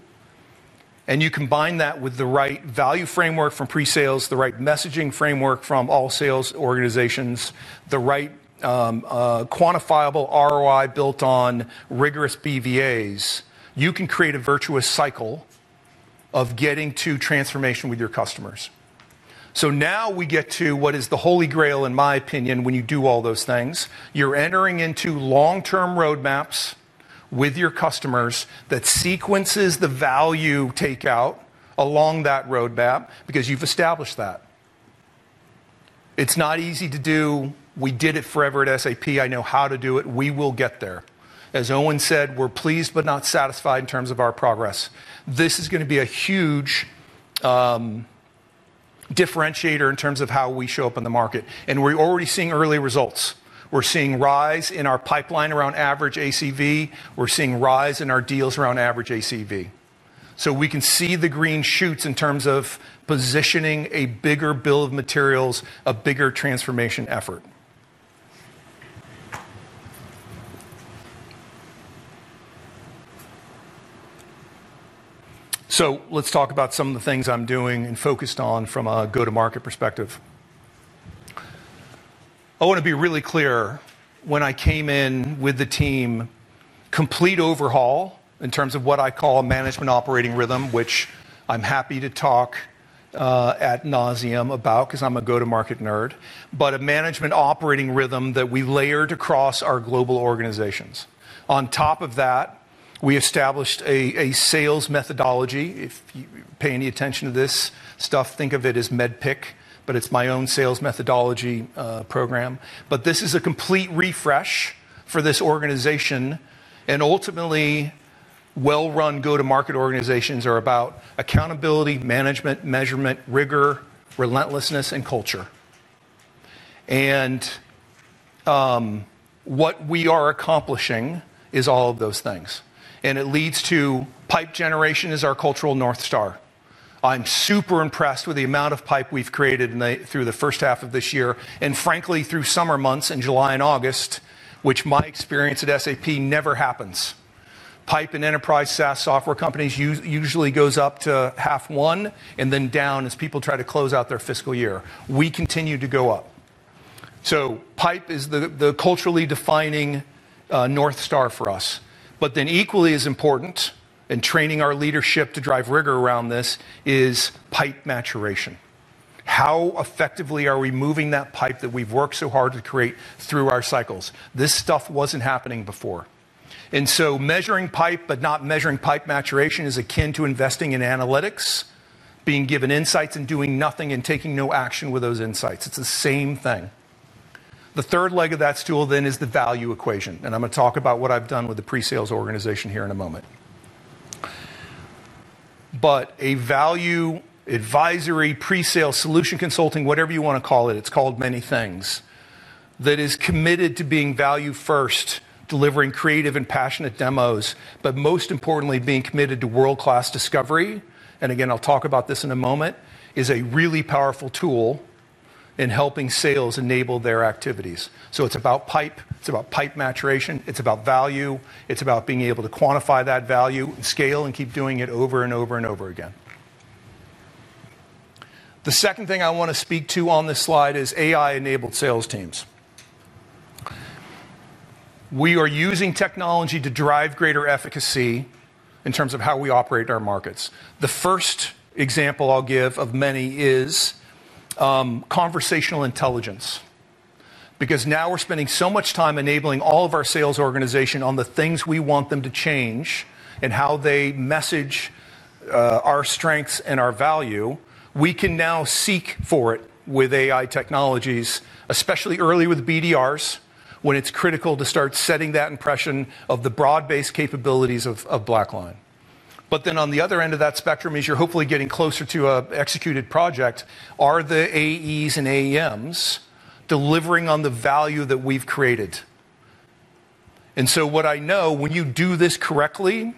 and you combine that with the right value framework from pre-sales, the right messaging framework from all sales organizations, the right quantifiable ROI built on rigorous BVAs, you can create a virtuous cycle of getting to transformation with your customers. Now we get to what is the holy grail, in my opinion, when you do all those things. You're entering into long-term roadmaps with your customers that sequences the value takeout along that roadmap because you've established that. It's not easy to do. We did it forever at SAP. I know how to do it. We will get there. As Owen said, we're pleased but not satisfied in terms of our progress. This is going to be a huge differentiator in terms of how we show up in the market. We're already seeing early results. We're seeing rise in our pipeline around average ACV. We're seeing rise in our deals around average ACV. We can see the green shoots in terms of positioning a bigger bill of materials, a bigger transformation effort. Let's talk about some of the things I'm doing and focused on from a go-to-market perspective. I want to be really clear. When I came in with the team, complete overhaul in terms of what I call a management operating rhythm, which I'm happy to talk ad nauseam about because I'm a go-to-market nerd, but a management operating rhythm that we layered across our global organizations. On top of that, we established a sales methodology. If you pay any attention to this stuff, think of it as MEDDPICC, but it's my own sales methodology program. This is a complete refresh for this organization. Ultimately, well-run go-to-market organizations are about accountability, management, measurement, rigor, relentlessness, and culture. What we are accomplishing is all of those things. It leads to pipe generation is our cultural North Star. I'm super impressed with the amount of pipe we've created through the first half of this year, and frankly, through summer months in July and August, which my experience at SAP never happens. Pipe in enterprise SaaS software companies usually goes up to half one and then down as people try to close out their fiscal year. We continue to go up. Pipe is the culturally defining North Star for us. Equally as important, and training our leadership to drive rigor around this, is pipe maturation. How effectively are we moving that pipe that we've worked so hard to create through our cycles? This stuff wasn't happening before. Measuring pipe, but not measuring pipe maturation, is akin to investing in analytics, being given insights and doing nothing and taking no action with those insights. It's the same thing. The third leg of that stool then is the value equation. I'm going to talk about what I've done with the pre-sales organization here in a moment. A value advisory, pre-sale solution consulting, whatever you want to call it, it's called many things, that is committed to being value first, delivering creative and passionate demos, but most importantly, being committed to world-class discovery. I'll talk about this in a moment, as it is a really powerful tool in helping sales enable their activities. It's about pipe, pipe maturation, value, being able to quantify that value and scale, and keep doing it over and over again. The second thing I want to speak to on this slide is AI-enabled sales teams. We are using technology to drive greater efficacy in terms of how we operate in our markets. The first example I'll give of many is conversational intelligence. Now we're spending so much time enabling all of our sales organization on the things we want them to change and how they message our strengths and our value. We can now seek for it with AI technologies, especially early with BDRs, when it's critical to start setting that impression of the broad-based capabilities of BlackLine. On the other end of that spectrum, as you're hopefully getting closer to an executed project, are the AEs and AEMs delivering on the value that we've created? What I know is, when you do this correctly,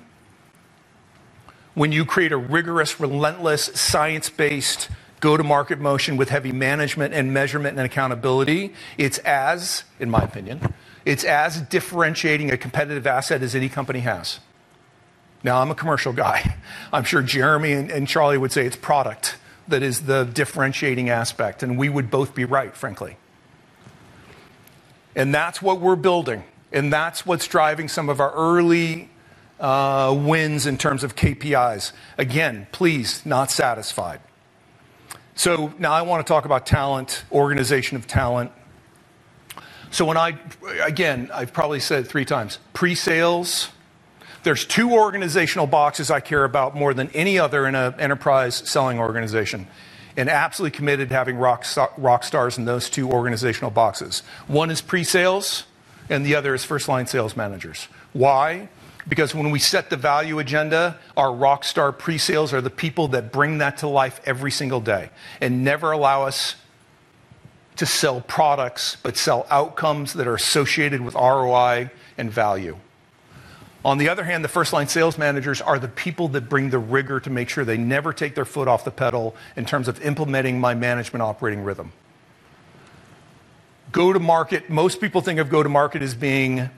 when you create a rigorous, relentless, science-based go-to-market motion with heavy management, measurement, and accountability, it's as, in my opinion, it's as differentiating a competitive asset as any company has. I'm a commercial guy. I'm sure Jeremy and Charlie would say it's product that is the differentiating aspect, and we would both be right, frankly. That's what we're building, and that's what's driving some of our early wins in terms of KPIs. Again, please, not satisfied. Now I want to talk about talent, organization of talent. I've probably said it three times, pre-sales, there's two organizational boxes I care about more than any other in an enterprise selling organization. I'm absolutely committed to having rock stars in those two organizational boxes. One is pre-sales, and the other is first-line sales managers. Why? When we set the value agenda, our rock star pre-sales are the people that bring that to life every single day and never allow us to sell products, but sell outcomes that are associated with ROI and value. On the other hand, the first-line sales managers are the people that bring the rigor to make sure they never take their foot off the pedal in terms of implementing my management operating rhythm. Go to market, most people think of go to market as being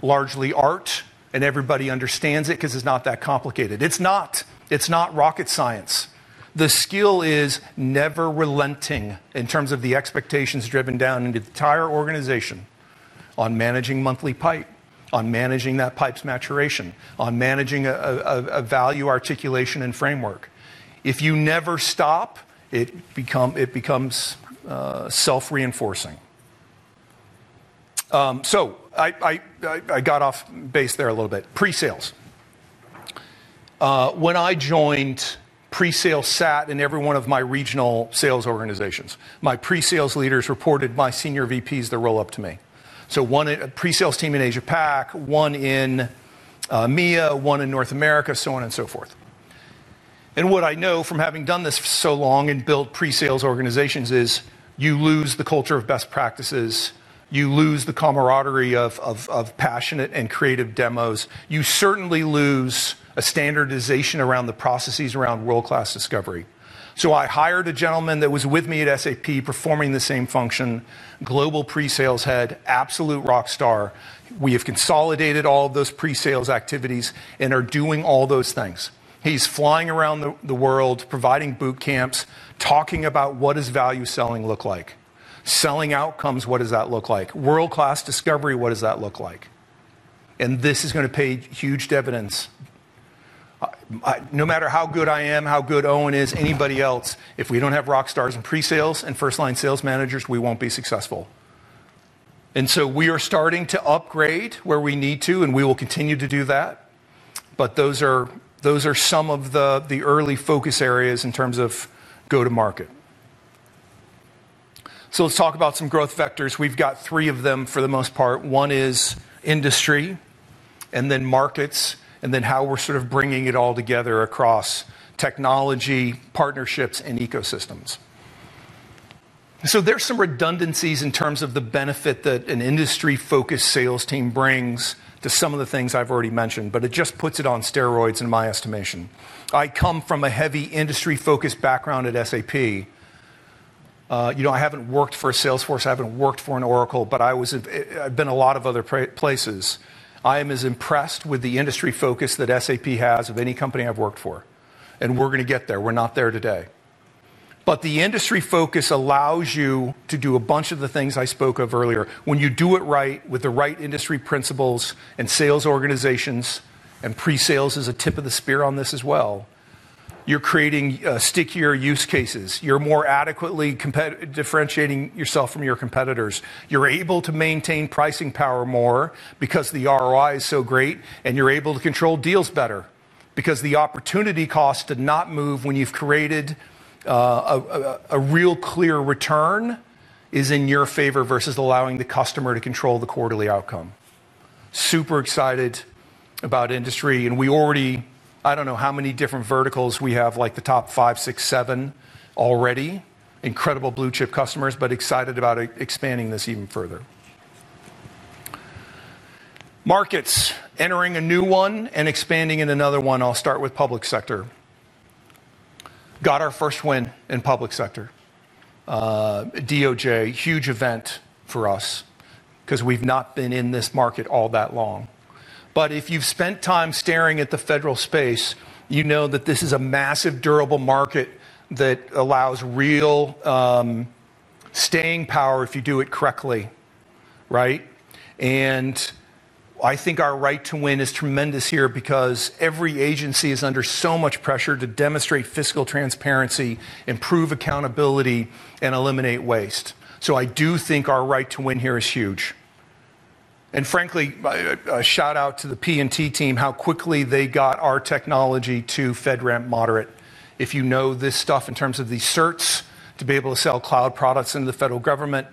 largely art, and everybody understands it because it's not that complicated. It's not. It's not rocket science. The skill is never relenting in terms of the expectations driven down into the entire organization on managing monthly pipe, on managing that pipe's maturation, on managing a value articulation and framework. If you never stop, it becomes self-reinforcing. I got off base there a little bit. Pre-sales. When I joined, pre-sales sat in every one of my regional sales organizations. My pre-sales leaders reported to my Senior VPs that roll up to me. One pre-sales team in Asia-Pac, one in EMEA, one in North America, so on and so forth. What I know from having done this so long and built pre-sales organizations is you lose the culture of best practices. You lose the camaraderie of passionate and creative demos. You certainly lose a standardization around the processes around world-class discovery. I hired a gentleman that was with me at SAP performing the same function, global pre-sales head, absolute rock star. We have consolidated all of those pre-sales activities and are doing all those things. He's flying around the world, providing boot camps, talking about what does value selling look like, selling outcomes, what does that look like, world-class discovery, what does that look like. This is going to pay huge dividends. No matter how good I am, how good Owen is, anybody else, if we don't have rock stars in pre-sales and first-line sales managers, we won't be successful. We are starting to upgrade where we need to, and we will continue to do that. Those are some of the early focus areas in terms of go-to-market. Let's talk about some growth vectors. We've got three of them for the most part. One is industry, and then markets, and then how we're sort of bringing it all together across technology, partnerships, and ecosystems. There are some redundancies in terms of the benefit that an industry-focused sales team brings to some of the things I've already mentioned, but it just puts it on steroids in my estimation. I come from a heavy industry-focused background at SAP. I haven't worked for a Salesforce. I haven't worked for an Oracle, but I've been in a lot of other places. I am as impressed with the industry focus that SAP has of any company I've worked for. We're going to get there. We're not there today. The industry focus allows you to do a bunch of the things I spoke of earlier. When you do it right with the right industry principles and sales organizations, and pre-sales is a tip of the spear on this as well, you're creating stickier use cases. You're more adequately differentiating yourself from your competitors. You're able to maintain pricing power more because the ROI is so great, and you're able to control deals better because the opportunity cost to not move when you've created a real clear return is in your favor versus allowing the customer to control the quarterly outcome. Super excited about industry, and we already, I don't know how many different verticals we have, like the top five, six, seven already, incredible blue-chip customers, but excited about expanding this even further. Markets, entering a new one and expanding in another one. I'll start with public sector. Got our first win in public sector. DOJ, huge event for us because we've not been in this market all that long. If you've spent time staring at the federal space, you know that this is a massive, durable market that allows real staying power if you do it correctly. I think our right to win is tremendous here because every agency is under so much pressure to demonstrate fiscal transparency, improve accountability, and eliminate waste. I do think our right to win here is huge. Frankly, a shout out to the P&T team, how quickly they got our technology to FedRAMP Moderate. If you know this stuff in terms of the certs, to be able to sell cloud products into the federal government,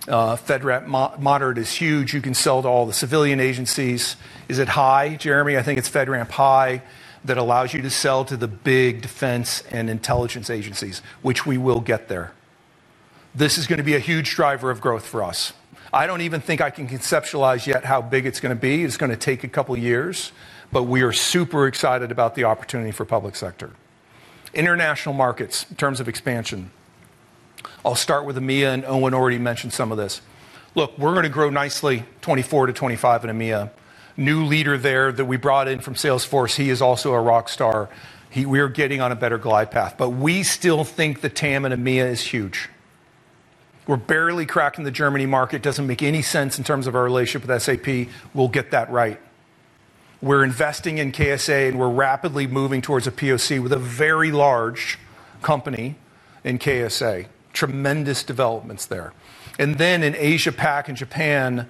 FedRAMP Moderate is huge. You can sell to all the civilian agencies. Is it High, Jeremy? I think it's FedRAMP High that allows you to sell to the big defense and intelligence agencies, which we will get there. This is going to be a huge driver of growth for us. I don't even think I can conceptualize yet how big it's going to be. It's going to take a couple of years, but we are super excited about the opportunity for public sector. International markets in terms of expansion. I'll start with EMEA, and Owen already mentioned some of this. Look, we're going to grow nicely 2024 to 2025 in EMEA. New leader there that we brought in from Salesforce, he is also a rock star. We are getting on a better glide path, but we still think the TAM in EMEA is huge. We're barely cracking the Germany market. It doesn't make any sense in terms of our relationship with SAP. We'll get that right. We're investing in KSA, and we're rapidly moving towards a POC with a very large company in KSA. Tremendous developments there. In Asia-Pac and Japan,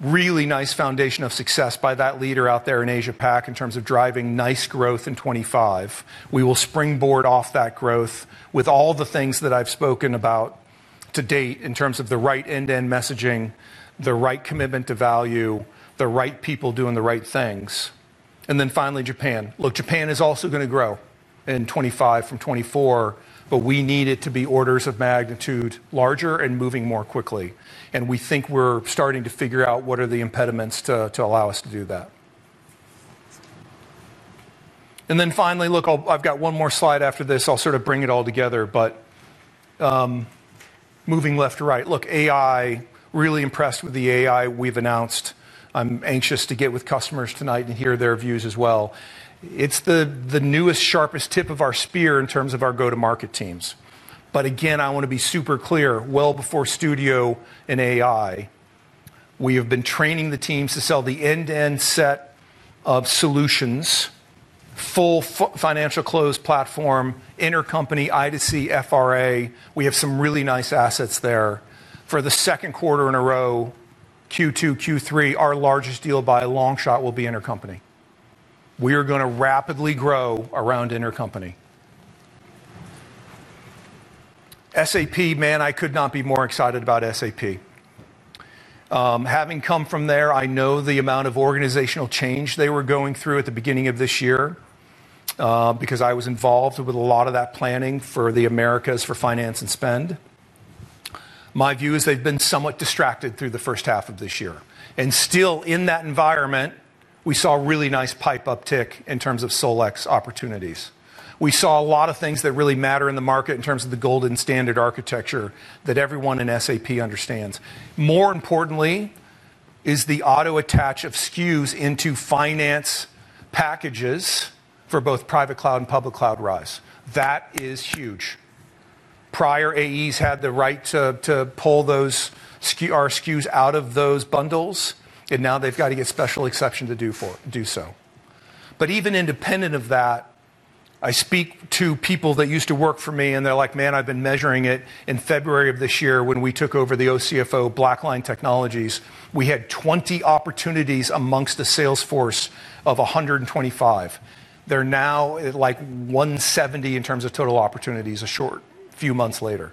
really nice foundation of success by that leader out there in Asia-Pac in terms of driving nice growth in 2025. We will springboard off that growth with all the things that I've spoken about to date in terms of the right end-to-end messaging, the right commitment to value, the right people doing the right things. Finally, Japan. Look, Japan is also going to grow in 2025 from 2024, but we need it to be orders of magnitude larger and moving more quickly. We think we're starting to figure out what are the impediments to allow us to do that. I've got one more slide after this. I'll sort of bring it all together, but moving left to right. AI, really impressed with the AI we've announced. I'm anxious to get with customers tonight and hear their views as well. It's the newest, sharpest tip of our spear in terms of our go-to-market teams. I want to be super clear. Well before Studio and AI, we have been training the teams to sell the end-to-end set of solutions, full financial close platform, intercompany, I2C, FRA. We have some really nice assets there. For the second quarter in a row, Q2, Q3, our largest deal by a long shot will be intercompany. We are going to rapidly grow around intercompany. SAP, man, I could not be more excited about SAP. Having come from there, I know the amount of organizational Change they were going through at the beginning of this year, because I was involved with a lot of that planning for the Americas for finance and spend. My view is they've been somewhat distracted through the first half of this year. Still in that environment, we saw a really nice pipe uptick in terms of SolEx opportunities. We saw a lot of things that really matter in the market in terms of the golden standard architecture that everyone in SAP understands. More importantly, is the auto-attach of SKUs into finance packages for both private cloud and public cloud rise. That is huge. Prior AEs had the right to pull those SKUs out of those bundles, and now they've got to get special exceptions to do so. Even independent of that, I speak to people that used to work for me, and they're like, man, I've been measuring it. In February of this year, when we took over the OCFO BlackLine Technologies, we had 20 opportunities amongst the sales force of 125. They're now like 170 in terms of total opportunities a short few months later.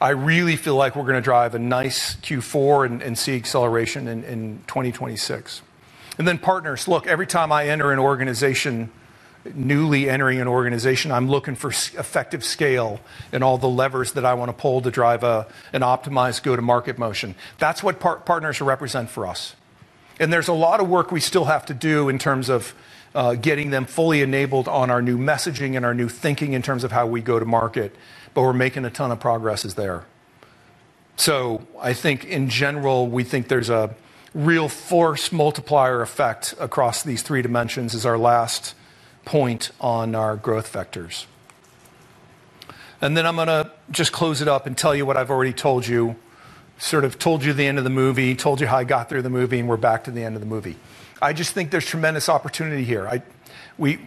I really feel like we're going to drive a nice Q4 and see acceleration in 2026. Partners, look, every time I enter an organization, newly entering an organization, I'm looking for effective scale and all the levers that I want to pull to drive an optimized go-to-market motion. That's what partners represent for us. There's a lot of work we still have to do in terms of getting them fully enabled on our new messaging and our new thinking in terms of how we go to market, but we're making a ton of progress there. I think in general, we think there's a real force multiplier effect across these three dimensions as our last point on our growth vectors. I'm going to just close it up and tell you what I've already told you, sort of told you the end of the movie, told you how I got through the movie, and we're back to the end of the movie. I just think there's tremendous opportunity here. We've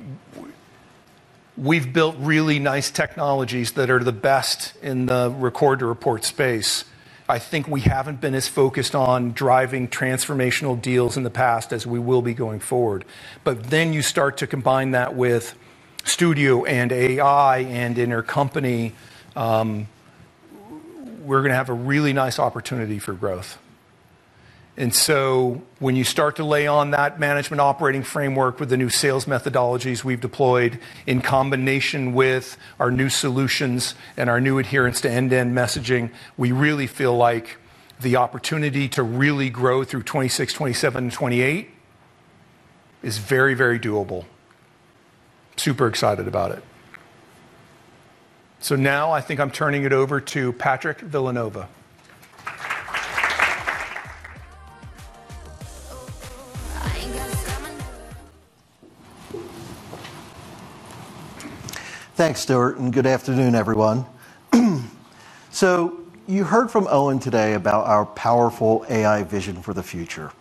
built really nice technologies that are the best in the record-to-report space. I think we haven't been as focused on driving transformational deals in the past as we will be going forward. You start to combine that with Studio and AI and intercompany. We're going to have a really nice opportunity for growth. When you start to lay on that management operating framework with the new sales methodologies we've deployed in combination with our new solutions and our new adherence to end-to-end messaging, we really feel like the opportunity to really grow through 2026, 2027, and 2028 is very, very doable. Super excited about it. Now I think I'm turning it over to Patrick Villanova. Thanks, Stuart, and good afternoon, everyone. You heard from Owen today about our powerful AI vision for the future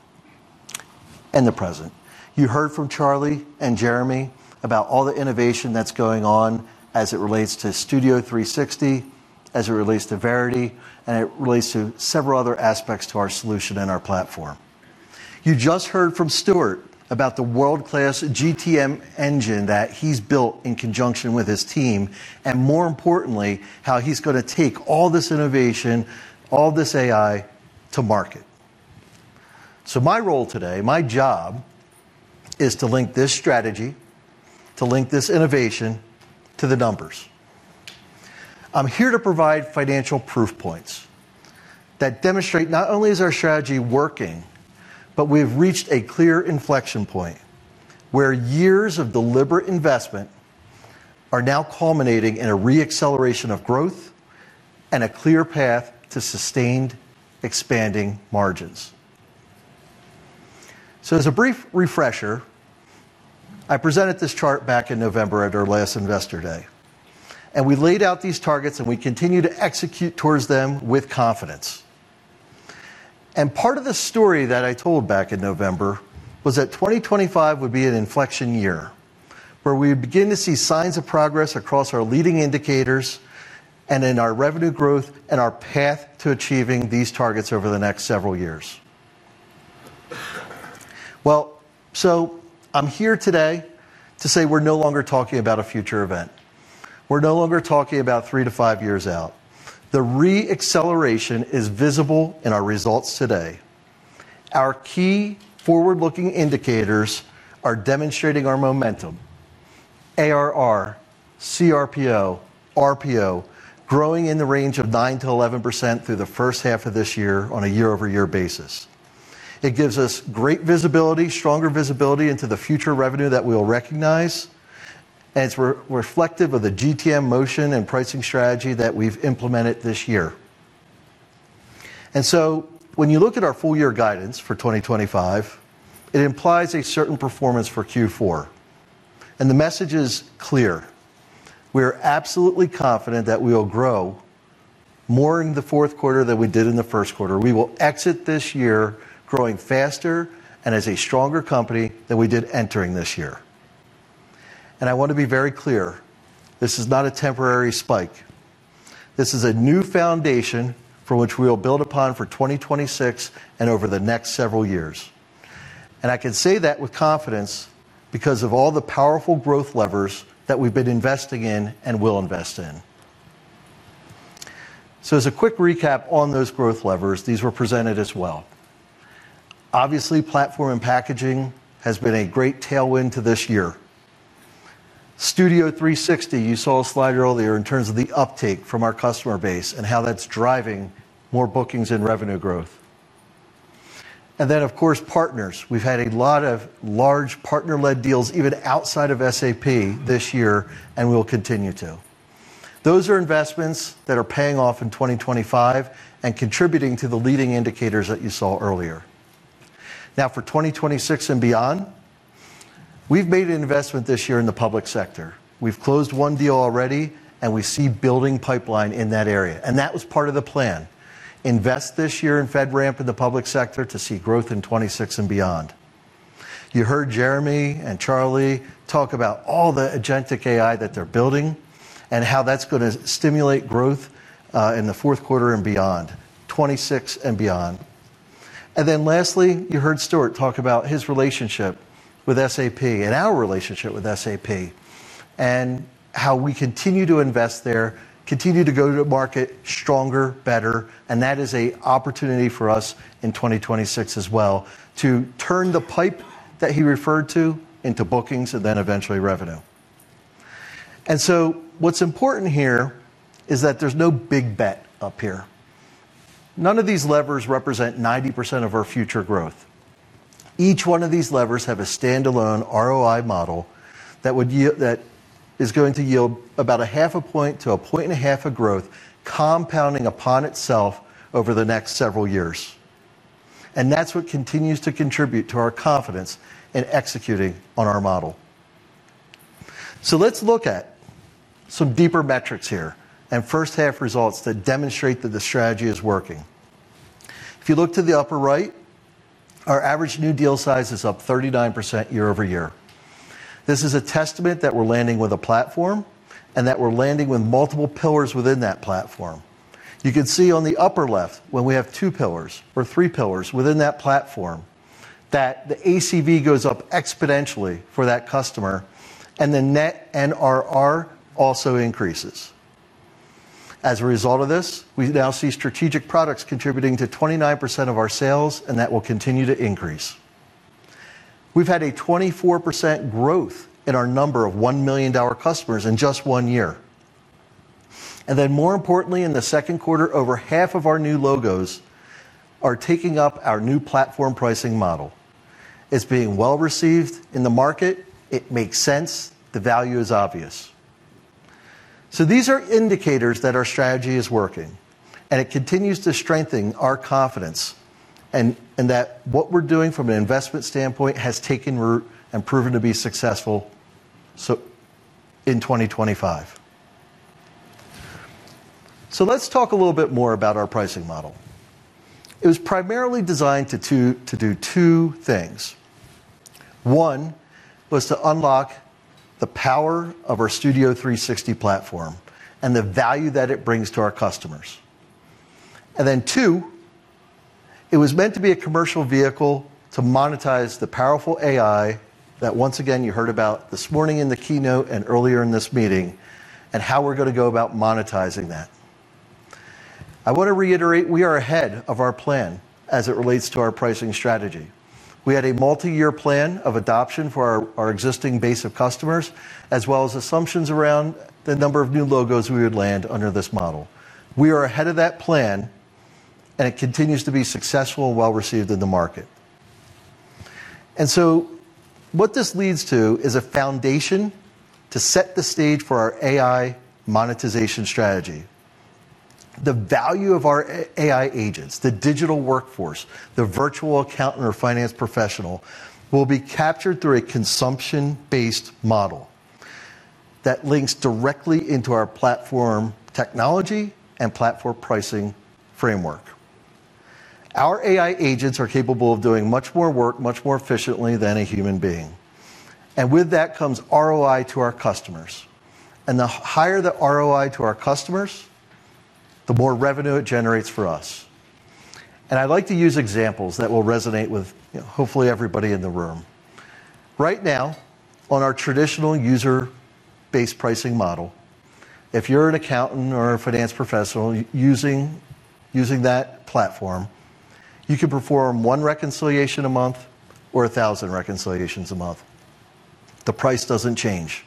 and the present. You heard from Charlie and Jeremy about all the innovation that's going on as it relates to Studio360, as it relates to Verity, and it relates to several other aspects to our solution and our platform. You just heard from Stuart about the world-class GTM engine that he's built in conjunction with his team, and more importantly, how he's going to take all this innovation, all this AI to market. My role today, my job, is to link this strategy, to link this innovation to the numbers. I'm here to provide financial proof points that demonstrate not only is our strategy working, but we've reached a clear inflection point where years of deliberate investment are now culminating in a re-acceleration of growth and a clear path to sustained expanding margins. As a brief refresher, I presented this chart back in November at our last Investor Day, and we laid out these targets, and we continue to execute towards them with confidence. Part of the story that I told back in November was that 2025 would be an inflection year where we would begin to see signs of progress across our leading indicators and in our revenue growth and our path to achieving these targets over the next several years. I'm here today to say we're no longer talking about a future event. We're no longer talking about three to five years out. The re-acceleration is visible in our results today. Our key forward-looking indicators are demonstrating our momentum: ARR, CRPO, RPO, growing in the range of 9%-11% through the first half of this year on a year-over-year basis. It gives us great visibility, stronger visibility into the future revenue that we'll recognize, and it's reflective of the GTM motion and pricing strategy that we've implemented this year. When you look at our full-year guidance for 2025, it implies a certain performance for Q4. The message is clear. We're absolutely confident that we will grow more in the fourth quarter than we did in the first quarter. We will exit this year growing faster and as a stronger company than we did entering this year. I want to be very clear. This is not a temporary spike. This is a new foundation for which we will build upon for 2026 and over the next several years. I can say that with confidence because of all the powerful growth levers that we've been investing in and will invest in. As a quick recap on those growth levers, these were presented as well. Obviously, platform and packaging has been a great tailwind to this year. Studio360, you saw a slide earlier in terms of the uptake from our customer base and how that's driving more bookings and revenue growth. Of course, partners. We've had a lot of large partner-led deals even outside of SAP this year, and we'll continue to. Those are investments that are paying off in 2025 and contributing to the leading indicators that you saw earlier. For 2026 and beyond, we've made an investment this year in the public sector. We've closed one deal already, and we see a building pipeline in that area. That was part of the plan. Invest this year in FedRAMP in the public sector to see growth in 2026 and beyond. You heard Jeremy and Charlie talk about all the agentic AI that they're building and how that's going to stimulate growth in the fourth quarter and beyond, 2026 and beyond. Lastly, you heard Stuart talk about his relationship with SAP and our relationship with SAP and how we continue to invest there, continue to go to market stronger, better, and that is an opportunity for us in 2026 as well to turn the pipe that he referred to into bookings and then eventually revenue. What's important here is that there's no big bet up here. None of these levers represent 90% of our future growth. Each one of these levers has a standalone ROI model that is going to yield about [0.5-1.5] of growth compounding upon itself over the next several years. That's what continues to contribute to our confidence in executing on our model. Let's look at some deeper metrics here and first-half results that demonstrate that the strategy is working. If you look to the upper right, our average new deal size is up 39% year-over-year. This is a testament that we're landing with a platform and that we're landing with multiple pillars within that platform. You can see on the upper left when we have two pillars or three pillars within that platform that the ACV goes up exponentially for that customer, and the net NRR also increases. As a result of this, we now see strategic products contributing to 29% of our sales, and that will continue to increase. We've had a 24% growth in our number of $1 million customers in just one year. More importantly, in the second quarter, over half of our new logos are taking up our new platform pricing model. It's being well received in the market. It makes sense. The value is obvious. These are indicators that our strategy is working, and it continues to strengthen our confidence in that what we're doing from an investment standpoint has taken root and proven to be successful in 2025. Let's talk a little bit more about our pricing model. It was primarily designed to do two things. One was to unlock the power of our Studio360 platform and the value that it brings to our customers. Two, it was meant to be a commercial vehicle to monetize the powerful AI that once again you heard about this morning in the keynote and earlier in this meeting and how we're going to go about monetizing that. I want to reiterate we are ahead of our plan as it relates to our pricing strategy. We had a multi-year plan of adoption for our existing base of customers, as well as assumptions around the number of new logos we would land under this model. We are ahead of that plan, and it continues to be successful and well received in the market. This leads to a foundation to set the stage for our AI monetization strategy. The value of our AI agents, the digital workforce, the virtual accountant or finance professional will be captured through a consumption-based model that links directly into our platform technology and platform pricing framework. Our AI agents are capable of doing much more work, much more efficiently than a human being. With that comes ROI to our customers. The higher the ROI to our customers, the more revenue it generates for us. I like to use examples that will resonate with hopefully everybody in the room. Right now, on our traditional user-based pricing model, if you're an accountant or a finance professional using that platform, you can perform one reconciliation a month or 1,000 reconciliations a month. The price doesn't change.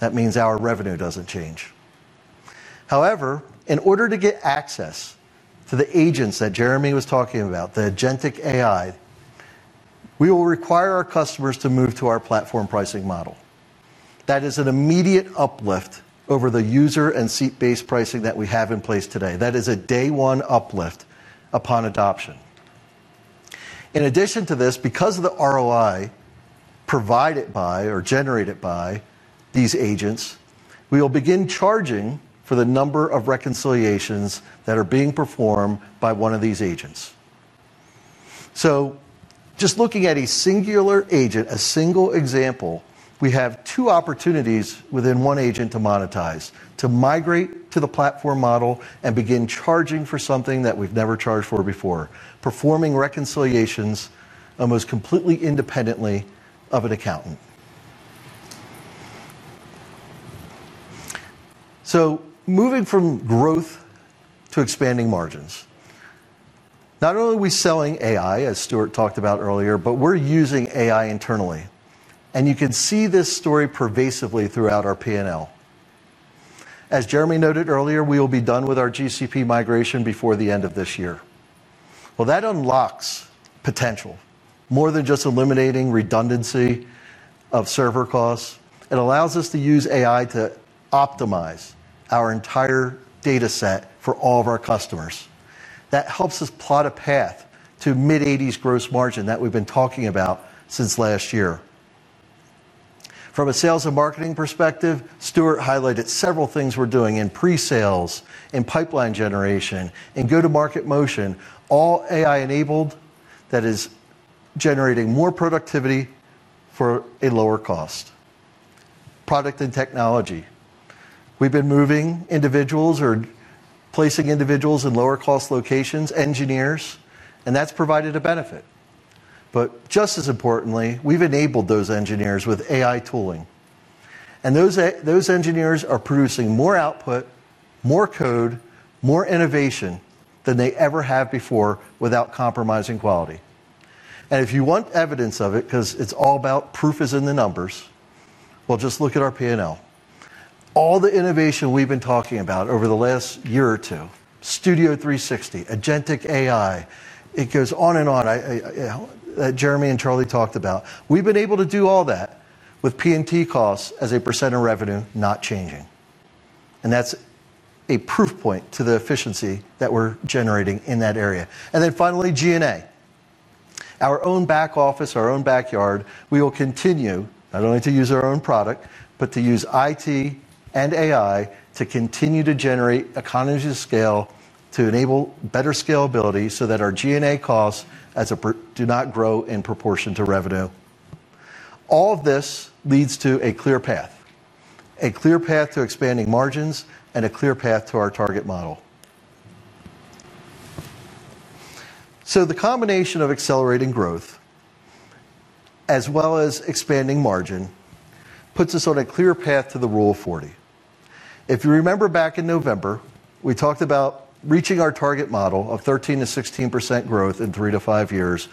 That means our revenue doesn't change. However, in order to get access to the agents that Jeremy was talking about, the agentic AI, we will require our customers to move to our platform pricing model. That is an immediate uplift over the user and seat-based pricing that we have in place today. That is a day-one uplift upon adoption. In addition to this, because of the ROI provided by or generated by these agents, we will begin charging for the number of reconciliations that are being performed by one of these agents. Just looking at a singular agent, a single example, we have two opportunities within one agent to monetize, to migrate to the platform model and begin charging for something that we've never charged for before, performing reconciliations almost completely independently of an accountant. Moving from growth to expanding margins, not only are we selling AI, as Stuart talked about earlier, but we're using AI internally. You can see this story pervasively throughout our P&L. As Jeremy noted earlier, we will be done with our GCP migration before the end of this year. That unlocks potential more than just eliminating redundancy of server costs. It allows us to use AI to optimize our entire data set for all of our customers. That helps us plot a path to mid-80% gross margin that we've been talking about since last year. From a sales and marketing perspective, Stuart highlighted several things we're doing in pre-sales, in pipeline generation, in go-to-market motion, all AI-enabled, that is generating more productivity for a lower cost. Product and technology. We've been moving individuals or placing individuals in lower-cost locations, engineers, and that's provided a benefit. Just as importantly, we've enabled those engineers with AI tooling. Those engineers are producing more output, more code, more innovation than they ever have before without compromising quality. If you want evidence of it, because proof is in the numbers, just look at our P&L. All the innovation we've been talking about over the last year or two, Studio360, agentic AI, it goes on and on. I know that Jeremy and Charlie talked about it. We've been able to do all that with P&T costs as a percent of revenue not changing. That's a proof point to the efficiency that we're generating in that area. Finally, G&A. Our own back office, our own backyard, we will continue not only to use our own product, but to use IT and AI to continue to generate economies of scale to enable better scalability so that our G&A costs do not grow in proportion to revenue. All of this leads to a clear path, a clear path to expanding margins, and a clear path to our target model. The combination of accelerating growth, as well as expanding margin, puts us on a clear path to the Rule of 40. If you remember back in November, we talked about reaching our target model of 13%-16% growth in three to five years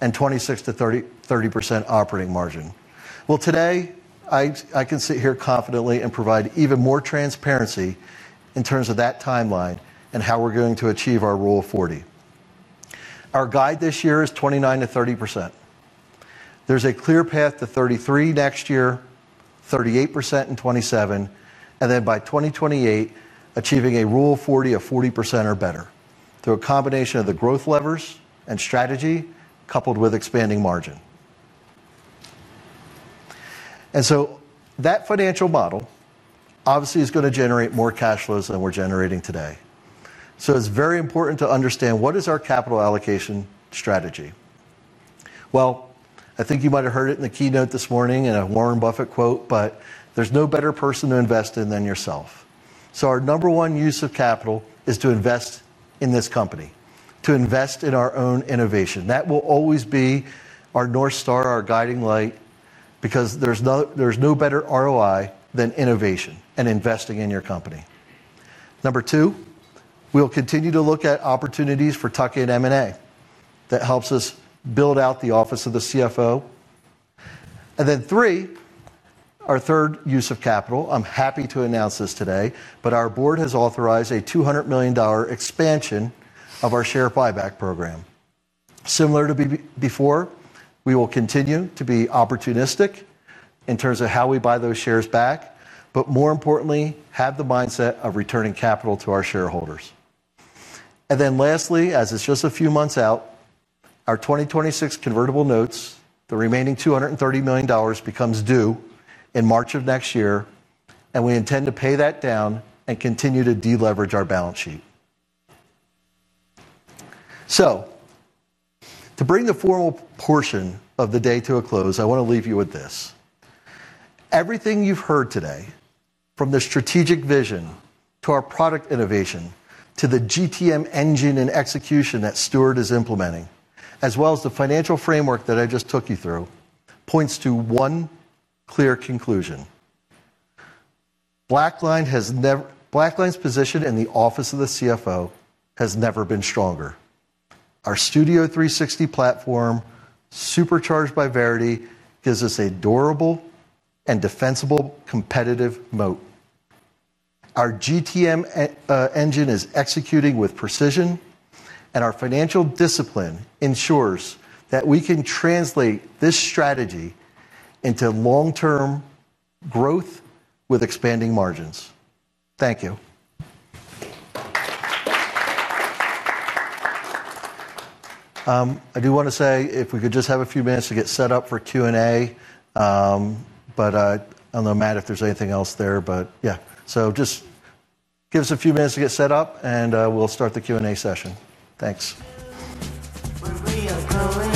and 26%-30% operating margin. Today, I can sit here confidently and provide even more transparency in terms of that timeline and how we're going to achieve our Rule of 40. Our guide this year is 29%-30%. There's a clear path to 33% next year, 38% in 2027, and then by 2028, achieving a Rule of 40 of 40% or better through a combination of the growth levers and strategy coupled with expanding margin. That financial model obviously is going to generate more cash flows than we're generating today. It's very important to understand what is our capital allocation strategy. I think you might have heard it in the keynote this morning in a Warren Buffett quote, but there's no better person to invest in than yourself. Our number one use of capital is to invest in this company, to invest in our own innovation. That will always be our North Star, our guiding light, because there's no better ROI than innovation and investing in your company. Number two, we'll continue to look at opportunities for tuck-in M&A. That helps us build out the office of the CFO. Number three, our third use of capital, I'm happy to announce this today, but our board has authorized a $200 million expansion of our share buyback program. Similar to before, we will continue to be opportunistic in terms of how we buy those shares back, but more importantly, have the mindset of returning capital to our shareholders. Lastly, as it's just a few months out, our 2026 convertible notes, the remaining $230 million becomes due in March of next year, and we intend to pay that down and continue to deleverage our balance sheet. To bring the formal portion of the day to a close, I want to leave you with this. Everything you've heard today, from the strategic vision to our product innovation to the GTM engine and execution that Stuart is implementing, as well as the financial framework that I just took you through, points to one clear conclusion. BlackLine's position in the office of the CFO has never been stronger. Our Studio360 platform, supercharged by Verity, gives us a durable and defensible competitive moat. Our GTM engine is executing with precision, and our financial discipline ensures that we can translate this strategy into long-term growth with expanding margins. Thank you. I do want to say if we could just have a few minutes to get set up for Q&A. I don't know, Matt, if there's anything else there, but yeah, just give us a few minutes to get set up, and we'll start the Q&A. All right,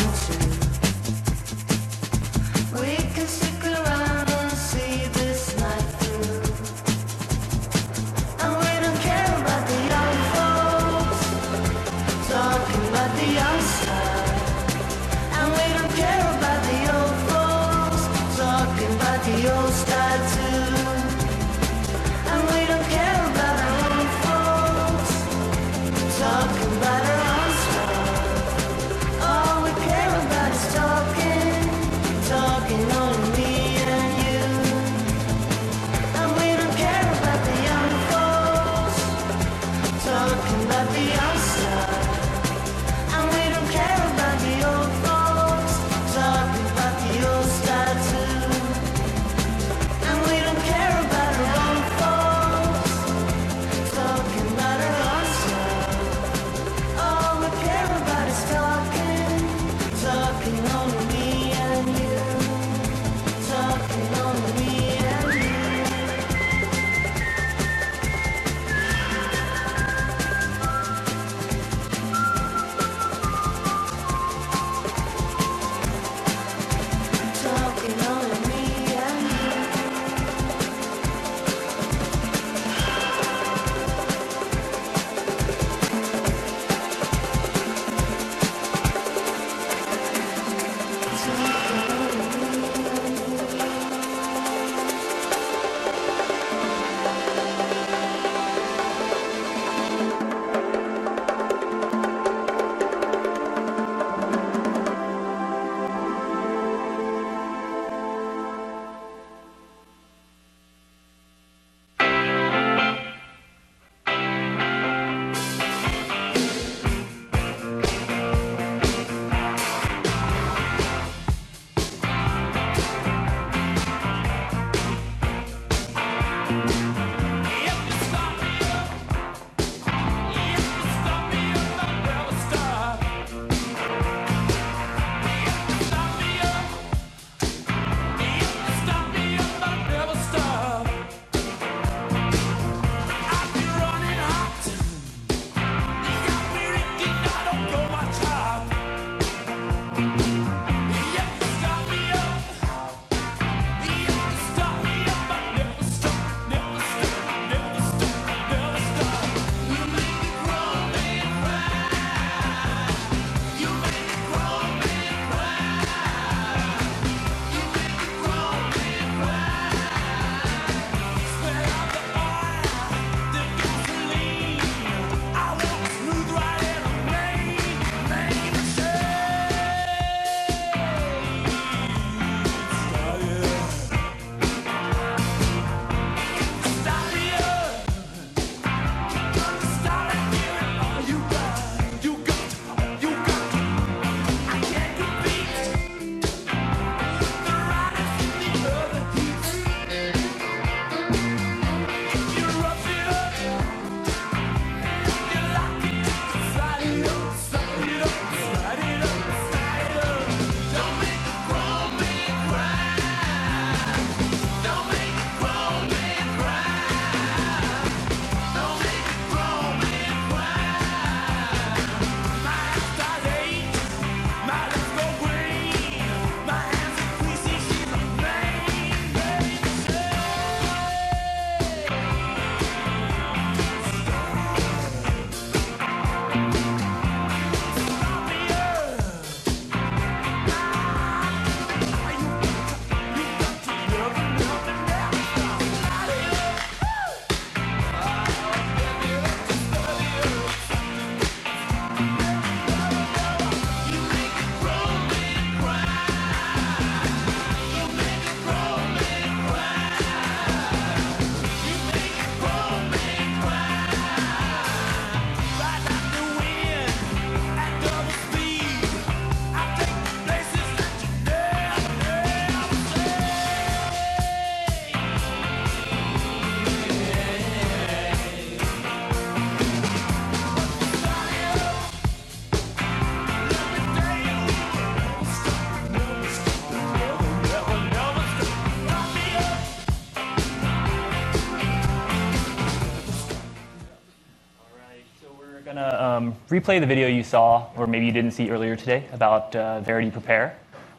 we're going to replay the video you saw, or maybe you didn't see earlier today, about Verity Prepare.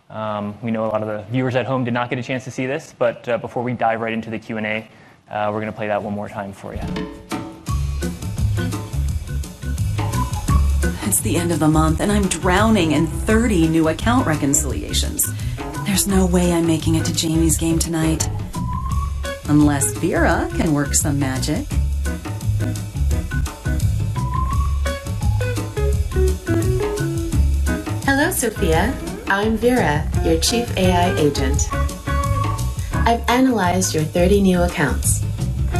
We know a lot of the viewers at home did not get a chance to see this, but before we dive right into the Q&A, we're going to play that one more time for you. It's the end of the month, and I'm drowning in 30 new account reconciliations. There's no way I'm making it to Jamie's game tonight unless Vera can work some magic. Hello, Sophia. I'm Vera, your Chief AI Agent. I've analyzed your 30 new accounts.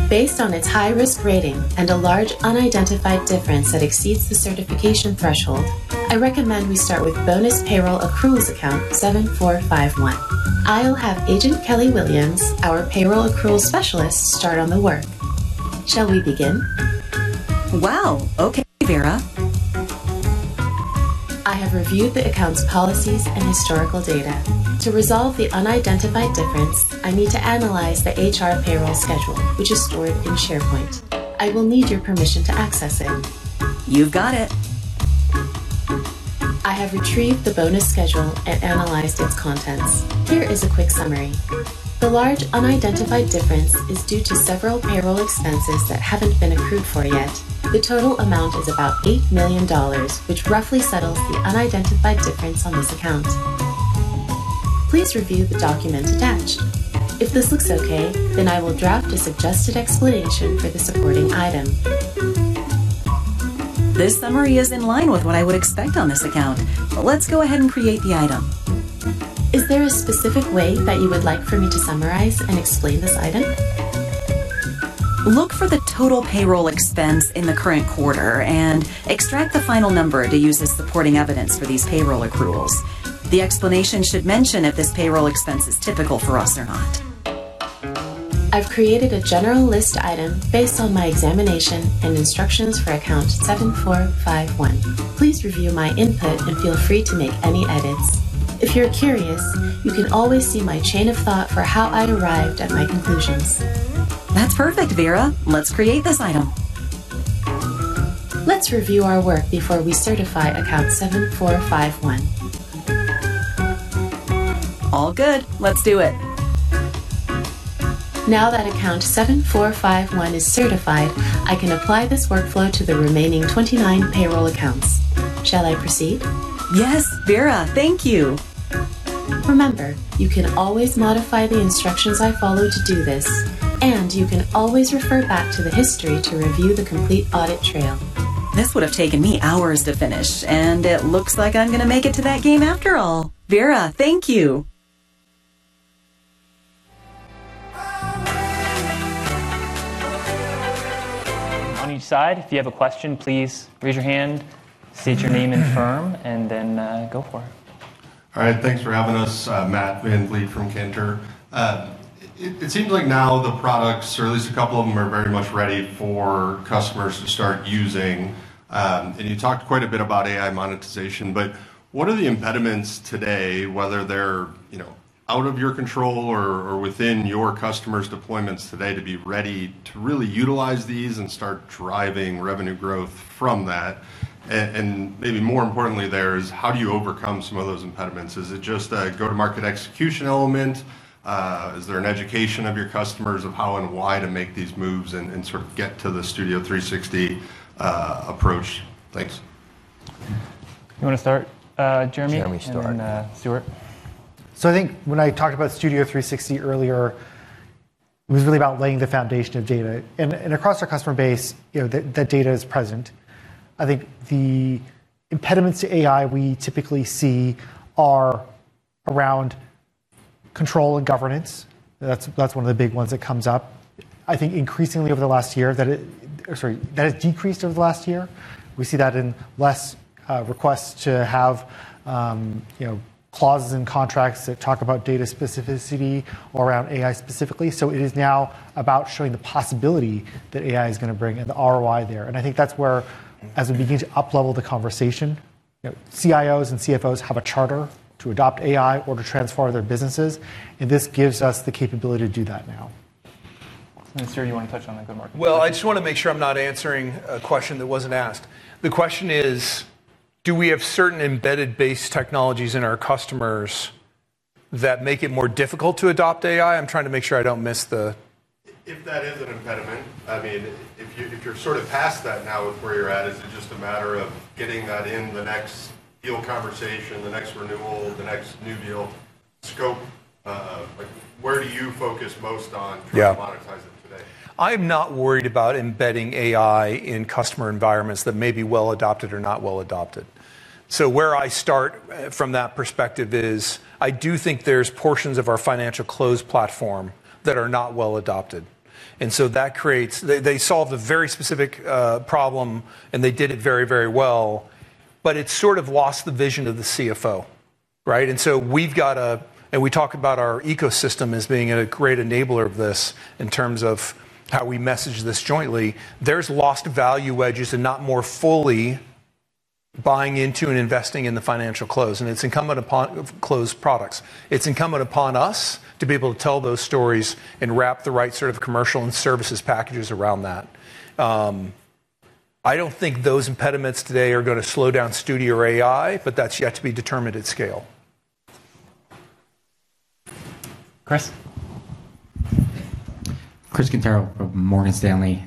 Based on its high-risk rating and a large unidentified difference that exceeds the certification threshold, I recommend we start with bonus payroll accruals account 7451. I'll have Agent Kelly Williams, our payroll accrual specialist, start on the work. Shall we begin? Wow. Okay, Vera. I have reviewed the account's policies and historical data. To resolve the unidentified difference, I need to analyze the HR payroll schedule, which is stored in SharePoint. I will need your permission to access it. You've got it. I have retrieved the bonus schedule and analyzed its contents. Here is a quick summary. The large unidentified difference is due to several payroll expenses that haven't been accrued for yet. The total amount is about $8 million, which roughly settles the unidentified difference on this account. Please review the document attached. If this looks okay, then I will draft a suggested explanation for the supporting item. This summary is in line with what I would expect on this account, but let's go ahead and create the item. Is there a specific way that you would like for me to summarize and explain this item? Look for the total payroll expense in the current quarter and extract the final number to use as supporting evidence for these payroll accruals. The explanation should mention if this payroll expense is typical for us or not. I've created a general list item based on my examination and instructions for account 7451. Please review my input and feel free to make any edits. If you're curious, you can always see my chain of thought for how I'd arrived at my conclusions. That's perfect, Vera. Let's create this item. Let's review our work before we certify account 7451. All good. Let's do it. Now that account 7451 is certified, I can apply this workflow to the remaining 29 payroll accounts. Shall I proceed? Yes, Vera. Thank you. Remember, you can always modify the instructions I follow to do this, and you can always refer back to the history to review the complete audit trail. This would have taken me hours to finish, and it looks like I'm going to make it to that game after all. Vera, thank you. On each side, if you have a question, please raise your hand, state your name and firm, and then go for it. All right, thanks for having us, Matt VanVliet from Cantor. It seems like now the products, or at least a couple of them, are very much ready for customers to start using. You talked quite a bit about AI monetization, but what are the impediments today, whether they're out of your control or within your customers' deployments today, to be ready to really utilize these and start driving revenue growth from that? Maybe more importantly, how do you overcome some of those impediments? Is it just a go-to-market execution element? Is there an education of your customers of how and why to make these moves and sort of get to the Studio360 approach? Thanks. You want to start, Jeremy? And then Stuart? I think when I talked about Studio360 earlier, it was really about laying the foundation of data. Across our customer base, you know that data is present. I think the impediments to AI we typically see are around control and governance. That's one of the big ones that comes up. I think increasingly over the last year that it decreased over the last year. We see that in less requests to have clauses in contracts that talk about data specificity or around AI specifically. It is now about showing the possibility that AI is going to bring and the ROI there. I think that's where, as we begin to uplevel the conversation, CIOs and CFOs have a charter to adopt AI or to transform their businesses. This gives us the capability to do that now. Stuart, you want to touch on the go-to-market? I just want to make sure I'm not answering a question that wasn't asked. The question is, do we have certain embedded-based technologies in our customers that make it more difficult to adopt AI? I'm trying to make sure I don't miss the... If that is an impediment, if you're sort of past that now with where you're at, is it just a matter of getting that in the next yield conversation, the next renewal, the next new yield scope? Where do you focus most on? I'm not worried about embedding AI in customer environments that may be well adopted or not well adopted. Where I start from that perspective is I do think there's portions of our financial close platform that are not well adopted. That creates, they solved a very specific problem and they did it very, very well, but it's sort of lost the vision of the CFO, right? We've got a, and we talk about our ecosystem as being a great enabler of this in terms of how we message this jointly. There's lost value wedges and not more fully buying into and investing in the financial close, and it's incumbent upon close products. It's incumbent upon us to be able to tell those stories and wrap the right sort of commercial and services packages around that. I don't think those impediments today are going to slow Studio or AI, but that's yet to be determined at scale. Chris? Chris Quintero from Morgan Stanley.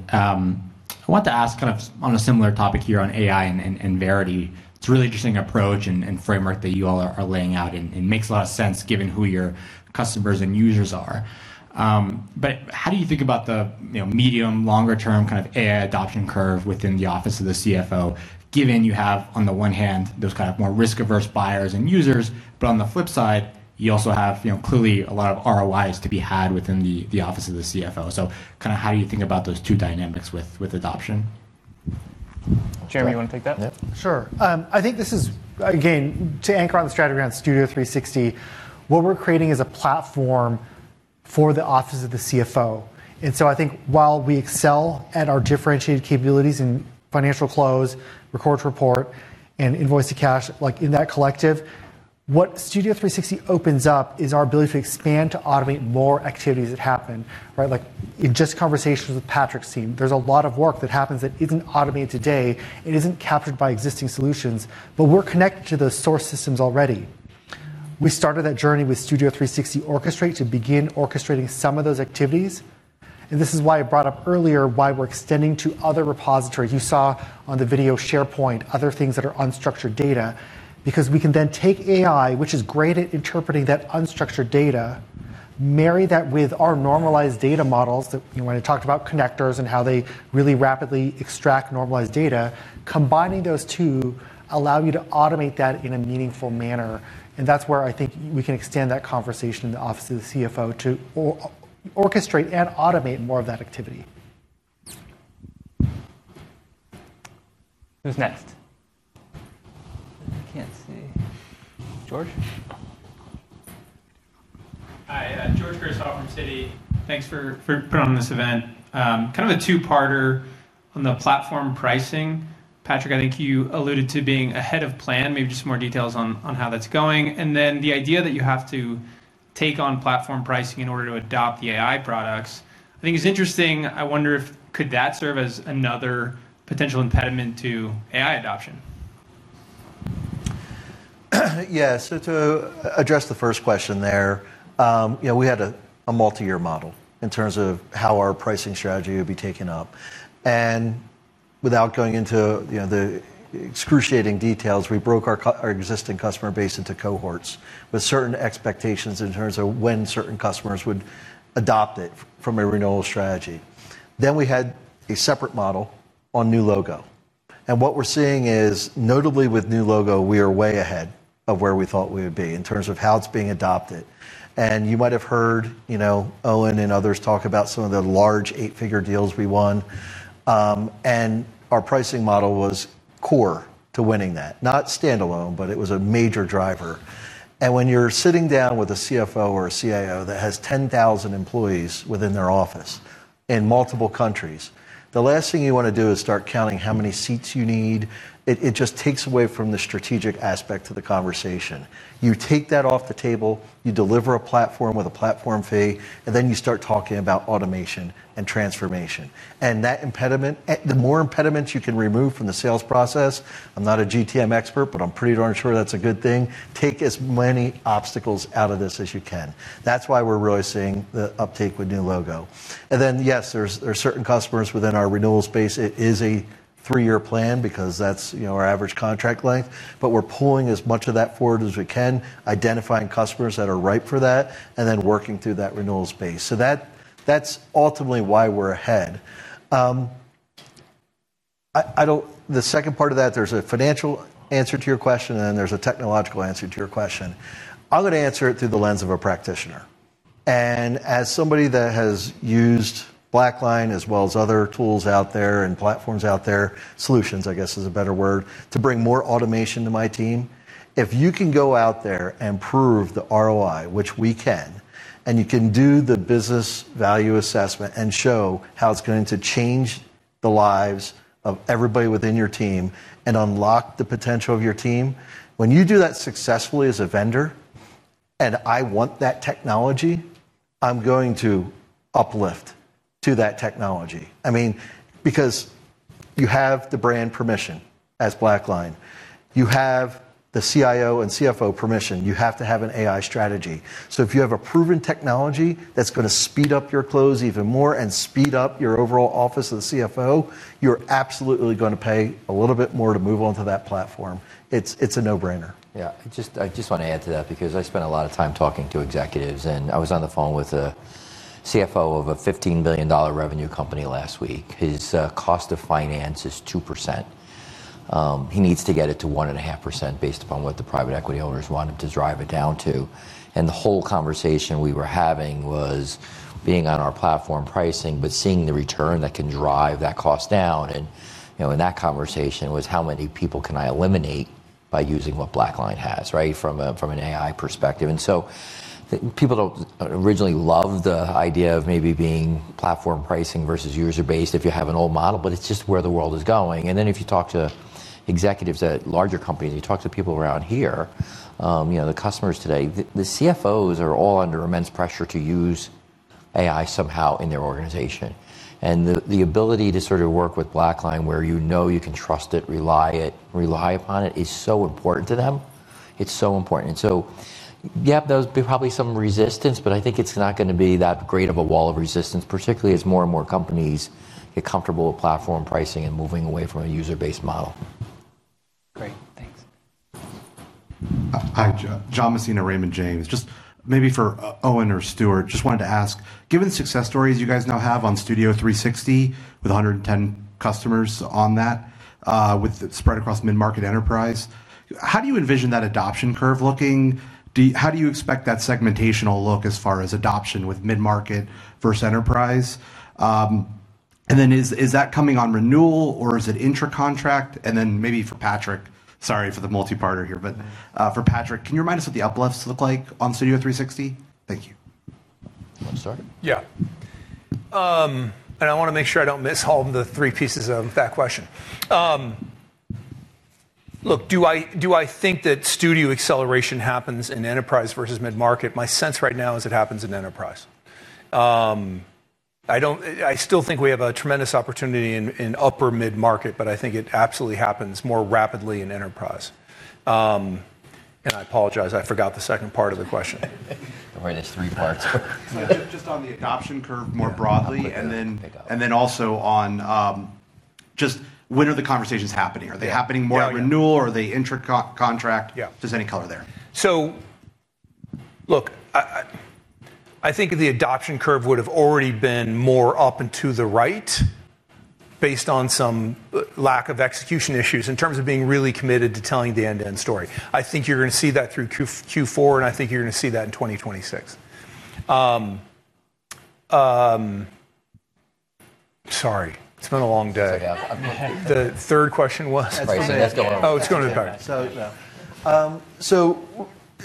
I want to ask kind of on a similar topic here on AI and Verity. It's a really interesting approach and framework that you all are laying out, and it makes a lot of sense given who your customers and users are. How do you think about the medium-longer term kind of AI adoption curve within the office of the CFO, given you have, on the one hand, those kind of more risk-averse buyers and users, but on the flip side, you also have clearly a lot of ROIs to be had within the office of the CFO. How do you think about those two dynamics with adoption? Jeremy, you want to take that? Yeah, sure. I think this is, again, to anchor on the strategy around Studio360. What we're creating is a platform for the Office of the CFO. I think while we excel at our differentiated capabilities in financial close, record-to-report, and invoice to cash, in that collective, what Studio360 opens up is our ability to expand to automate more activities that happen. In just conversations with Patrick's team, there's a lot of work that happens that isn't automated today. It isn't captured by existing solutions, but we're connected to those source systems already. We started that journey with Studio360 Orchestrate to begin orchestrating some of those activities. This is why I brought up earlier why we're extending to other repositories. You saw on the video SharePoint, other things that are unstructured data, because we can then take AI, which is great at interpreting that unstructured data, marry that with our normalized data models. When I talked about connectors and how they really rapidly extract normalized data, combining those two allows you to automate that in a meaningful manner. That's where I think we can extend that conversation in the Office of the CFO to orchestrate and automate more of that activity. Who's next? I can't see. George? Hi, [George C.] in from Citi. Thanks for putting on this event. Kind of a two-parter on the platform pricing. Patrick, I think you alluded to being ahead of plan, maybe just some more details on how that's going. The idea that you have to take on platform pricing in order to adopt the AI products, I think is interesting. I wonder if could that serve as another potential impediment to AI adoption? Yeah, to address the first question there, we had a multi-year model in terms of how our pricing strategy would be taken up. Without going into the excruciating details, we broke our existing customer base into cohorts with certain expectations in terms of when certain customers would adopt it from a renewal strategy. We had a separate model on new logo. What we're seeing is, notably with new logo, we are way ahead of where we thought we would be in terms of how it's being adopted. You might have heard Owen and others talk about some of the large eight-figure deals we won. Our pricing model was core to winning that, not standalone, but it was a major driver. When you're sitting down with a CFO or a CIO that has 10,000 employees within their office in multiple countries, the last thing you want to do is start counting how many seats you need. It just takes away from the strategic aspect of the conversation. You take that off the table, you deliver a platform with a platform fee, and then you start talking about automation and transformation. That impediment, the more impediments you can remove from the sales process, I'm not a GTM expert, but I'm pretty darn sure that's a good thing, take as many obstacles out of this as you can. That's why we're really seeing the uptake with new logo. Yes, there are certain customers within our renewal space. It is a three-year plan because that's our average contract length, but we're pulling as much of that forward as we can, identifying customers that are ripe for that, and then working through that renewal space. That's ultimately why we're ahead. The second part of that, there's a financial answer to your question, and there's a technological answer to your question. I'm going to answer it through the lens of a practitioner. As somebody that has used BlackLine as well as other tools out there and platforms out there, solutions, I guess, is a better word, to bring more automation to my team, if you can go out there and prove the ROI, which we can, and you can do the business value assessment and show how it's going to change the lives of everybody within your team and unlock the potential of your team, when you do that successfully as a vendor, and I want that technology, I'm going to uplift to that technology. I mean, because you have the brand permission as BlackLine. You have the CIO and CFO permission. You have to have an AI strategy. If you have a proven technology that's going to speed up your close even more and speed up your overall office of the CFO, you're absolutely going to pay a little bit more to move on to that platform. It's a no-brainer. Yeah, I just want to add to that because I spent a lot of time talking to executives, and I was on the phone with a CFO of a [$15 billion] revenue company last week. His cost of finance is 2%. He needs to get it to 1.5% based upon what the private equity holders wanted to drive it down to. The whole conversation we were having was being on our platform pricing, but seeing the return that can drive that cost down. In that conversation was how many people can I eliminate by using what BlackLine has, right, from an AI perspective. People don't originally love the idea of maybe being platform pricing versus user-based if you have an old model, but it's just where the world is going. If you talk to executives at larger companies, you talk to people around here, you know the customers today, the CFOs are all under immense pressure to use AI somehow in their organization. The ability to sort of work with BlackLine where you know you can trust it, rely upon it is so important to them. It's so important. There's probably some resistance, but I think it's not going to be that great of a wall of resistance, particularly as more and more companies get comfortable with platform pricing and moving away from a user-based model. Great, thanks. Hi, John Messina, Raymond James. Just maybe for Owen or Stuart, just wanted to ask, given success stories you guys now have on Studio360 with 110 customers on that, with it spread across mid-market enterprise, how do you envision that adoption curve looking? How do you expect that segmentation will look as far as adoption with mid-market versus enterprise? Is that coming on renewal or is it intra-contract? Maybe for Patrick, sorry for the multi-parter here, but for Patrick, can you remind us what the uplifts look like on Studio360? Thank you. Want to start? I want to make sure I don't miss all the three pieces of that question. Look, do I think that Studio acceleration happens in enterprise versus mid-market? My sense right now is it happens in enterprise. I still think we have a tremendous opportunity in upper mid-market, but I think it absolutely happens more rapidly in enterprise. I apologize, I forgot the second part of the question. I'm worried it's three parts. Yeah, just on the adoption curve more broadly, and then also on just when are the conversations happening? Are they happening more at renewal or are they intra-contract? Just any color there. I think the adoption curve would have already been more up and to the right based on some lack of execution issues in terms of being really committed to telling the end-to-end story. I think you're going to see that through Q4, and I think you're going to see that in 2026. Sorry, it's been a long day. Yeah, I'm not happy. The third question was? Oh, it's going to be better.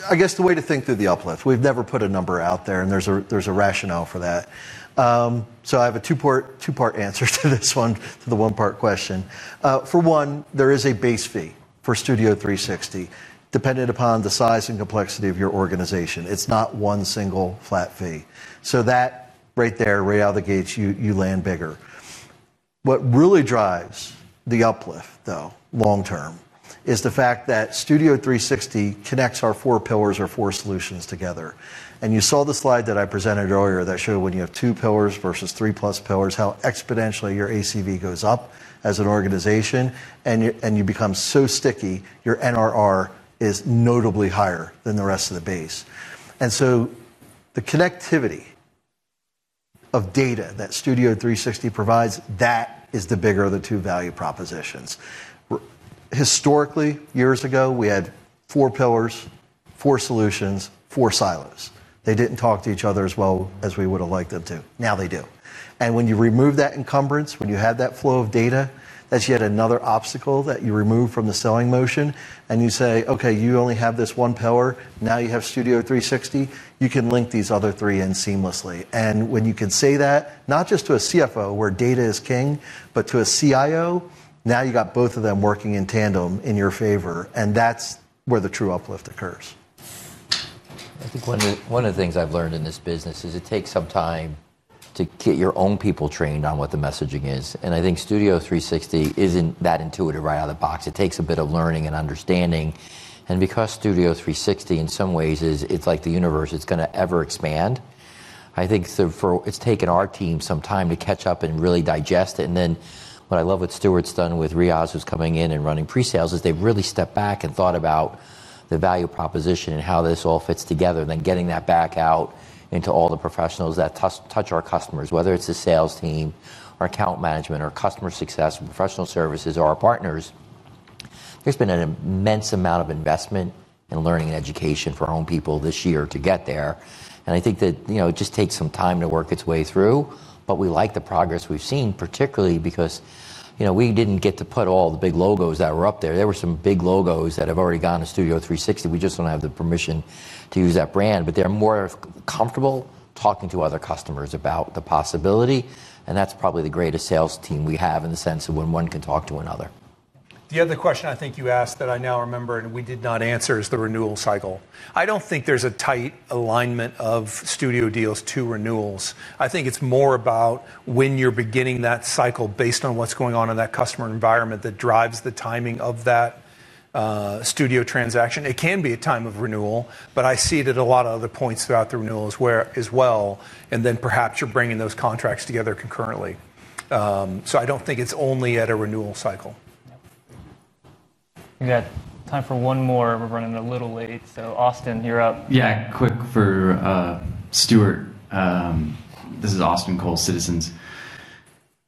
I guess the way to think through the uplift, we've never put a number out there, and there's a rationale for that. I have a two-part answer to this one, to the one-part question. For one, there is a base fee for Studio360, dependent upon the size and complexity of your organization. It's not one single flat fee. That right there, right out of the gates, you land bigger. What really drives the uplift, though, long-term, is the fact that Studio360 connects our four pillars, our four solutions together. You saw the slide that I presented earlier that showed when you have two pillars versus three plus pillars, how exponentially your ACV goes up as an organization, and you become so sticky, your NRR is notably higher than the rest of the base. The connectivity of data that Studio360 provides, that is the bigger of the two value propositions. Historically, years ago, we had four pillars, four solutions, four silos. They didn't talk to each other as well as we would have liked them to. Now they do. When you remove that encumbrance, when you have that flow of data, that's yet another obstacle that you remove from the selling motion, and you say, okay, you only have this one pillar, now you have Studio360, you can link these other three in seamlessly. When you can say that, not just to a CFO where data is king, but to a CIO, now you've got both of them working in tandem in your favor, and that's where the true uplift occurs. I think one of the things I've learned in this business is it takes some time to get your own people trained on what the messaging is. I think Studio360 isn't that intuitive right out of the box. It takes a bit of learning and understanding. Because Studio360, in some ways, it's like the universe, it's going to ever expand, I think it's taken our team some time to catch up and really digest it. What I love, what Stuart's done with Riyaz, who's coming in and running pre-sales, is they've really stepped back and thought about the value proposition and how this all fits together, and then getting that back out into all the professionals that touch our customers, whether it's the sales team, our account management, our customer success, professional services, or our partners. There's been an immense amount of investment and learning and education for our people this year to get there. I think that it just takes some time to work its way through, but we like the progress we've seen, particularly because we didn't get to put all the big logos that were up there. There were some big logos that have already gone to Studio360. We just don't have the permission to use that brand, but they're more comfortable talking to other customers about the possibility. That's probably the greatest sales team we have in the sense of when one can talk to another. The other question I think you asked that I now remember and we did not answer is the renewal cycle. I don't think there's a tight alignment of Studio360 deals to renewals. I think it's more about when you're beginning that cycle based on what's going on in that customer environment that drives the timing of that Studio360 transaction. It can be a time of renewal, but I see it at a lot of other points throughout the renewals as well. Perhaps you're bringing those contracts together concurrently. I don't think it's only at a renewal cycle. You got time for one more. We're running a little late. Austin, you're up. Yeah, quick for Stuart. This is Austin Cole, Citizens.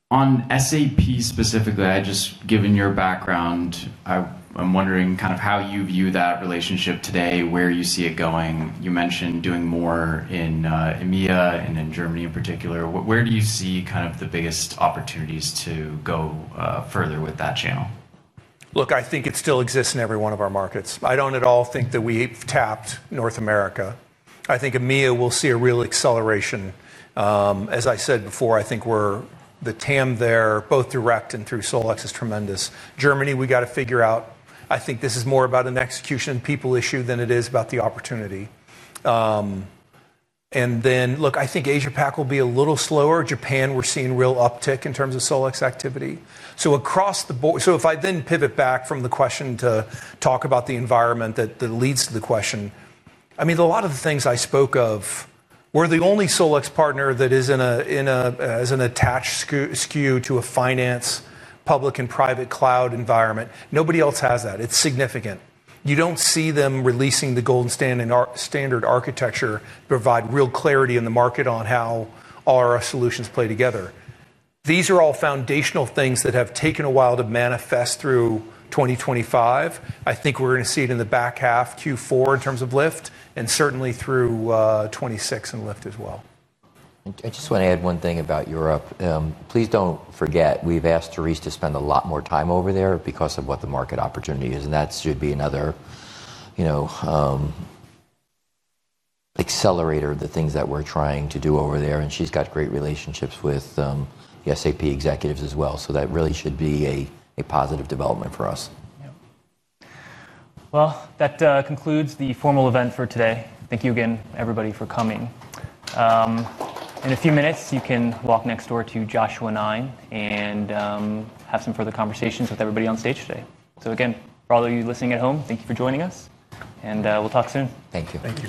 On SAP specifically, just given your background, I'm wondering kind of how you view that relationship today, where you see it going. You mentioned doing more in EMEA and in Germany in particular. Where do you see kind of the biggest opportunities to go further with that channel? Look, I think it still exists in every one of our markets. I don't at all think that we've tapped North America. I think EMEA will see a real acceleration. As I said before, I think the TAM there, both direct and through SolEx, is tremendous. Germany, we got to figure out. I think this is more about an execution people issue than it is about the opportunity. I think Asia-Pac will be a little slower. Japan, we're seeing real uptick in terms of SolEx activity. Across the board, if I then pivot back from the question to talk about the environment that leads to the question, a lot of the things I spoke of, we're the only SolEx partner that is in an attached SKU to a finance, public, and private cloud environment. Nobody else has that. It's significant. You don't see them releasing the golden standard architecture to provide real clarity in the market on how our solutions play together. These are all foundational things that have taken a while to manifest through 2025. I think we're going to see it in the back half, Q4, in terms of lift, and certainly through 2026 and lift as well. I just want to add one thing about Europe. Please don't forget, we've asked Therese to spend a lot more time over there because of what the market opportunity is, and that should be another accelerator of the things that we're trying to do over there. She's got great relationships with the SAP executives as well, so that really should be a positive development for us. That concludes the formal event for today. Thank you again, everybody, for coming. In a few minutes, you can walk next door to [Joshua Nine] and have some further conversations with everybody on stage today. Again, for all of you listening at home, thank you for joining us, and we'll talk soon. Thank you.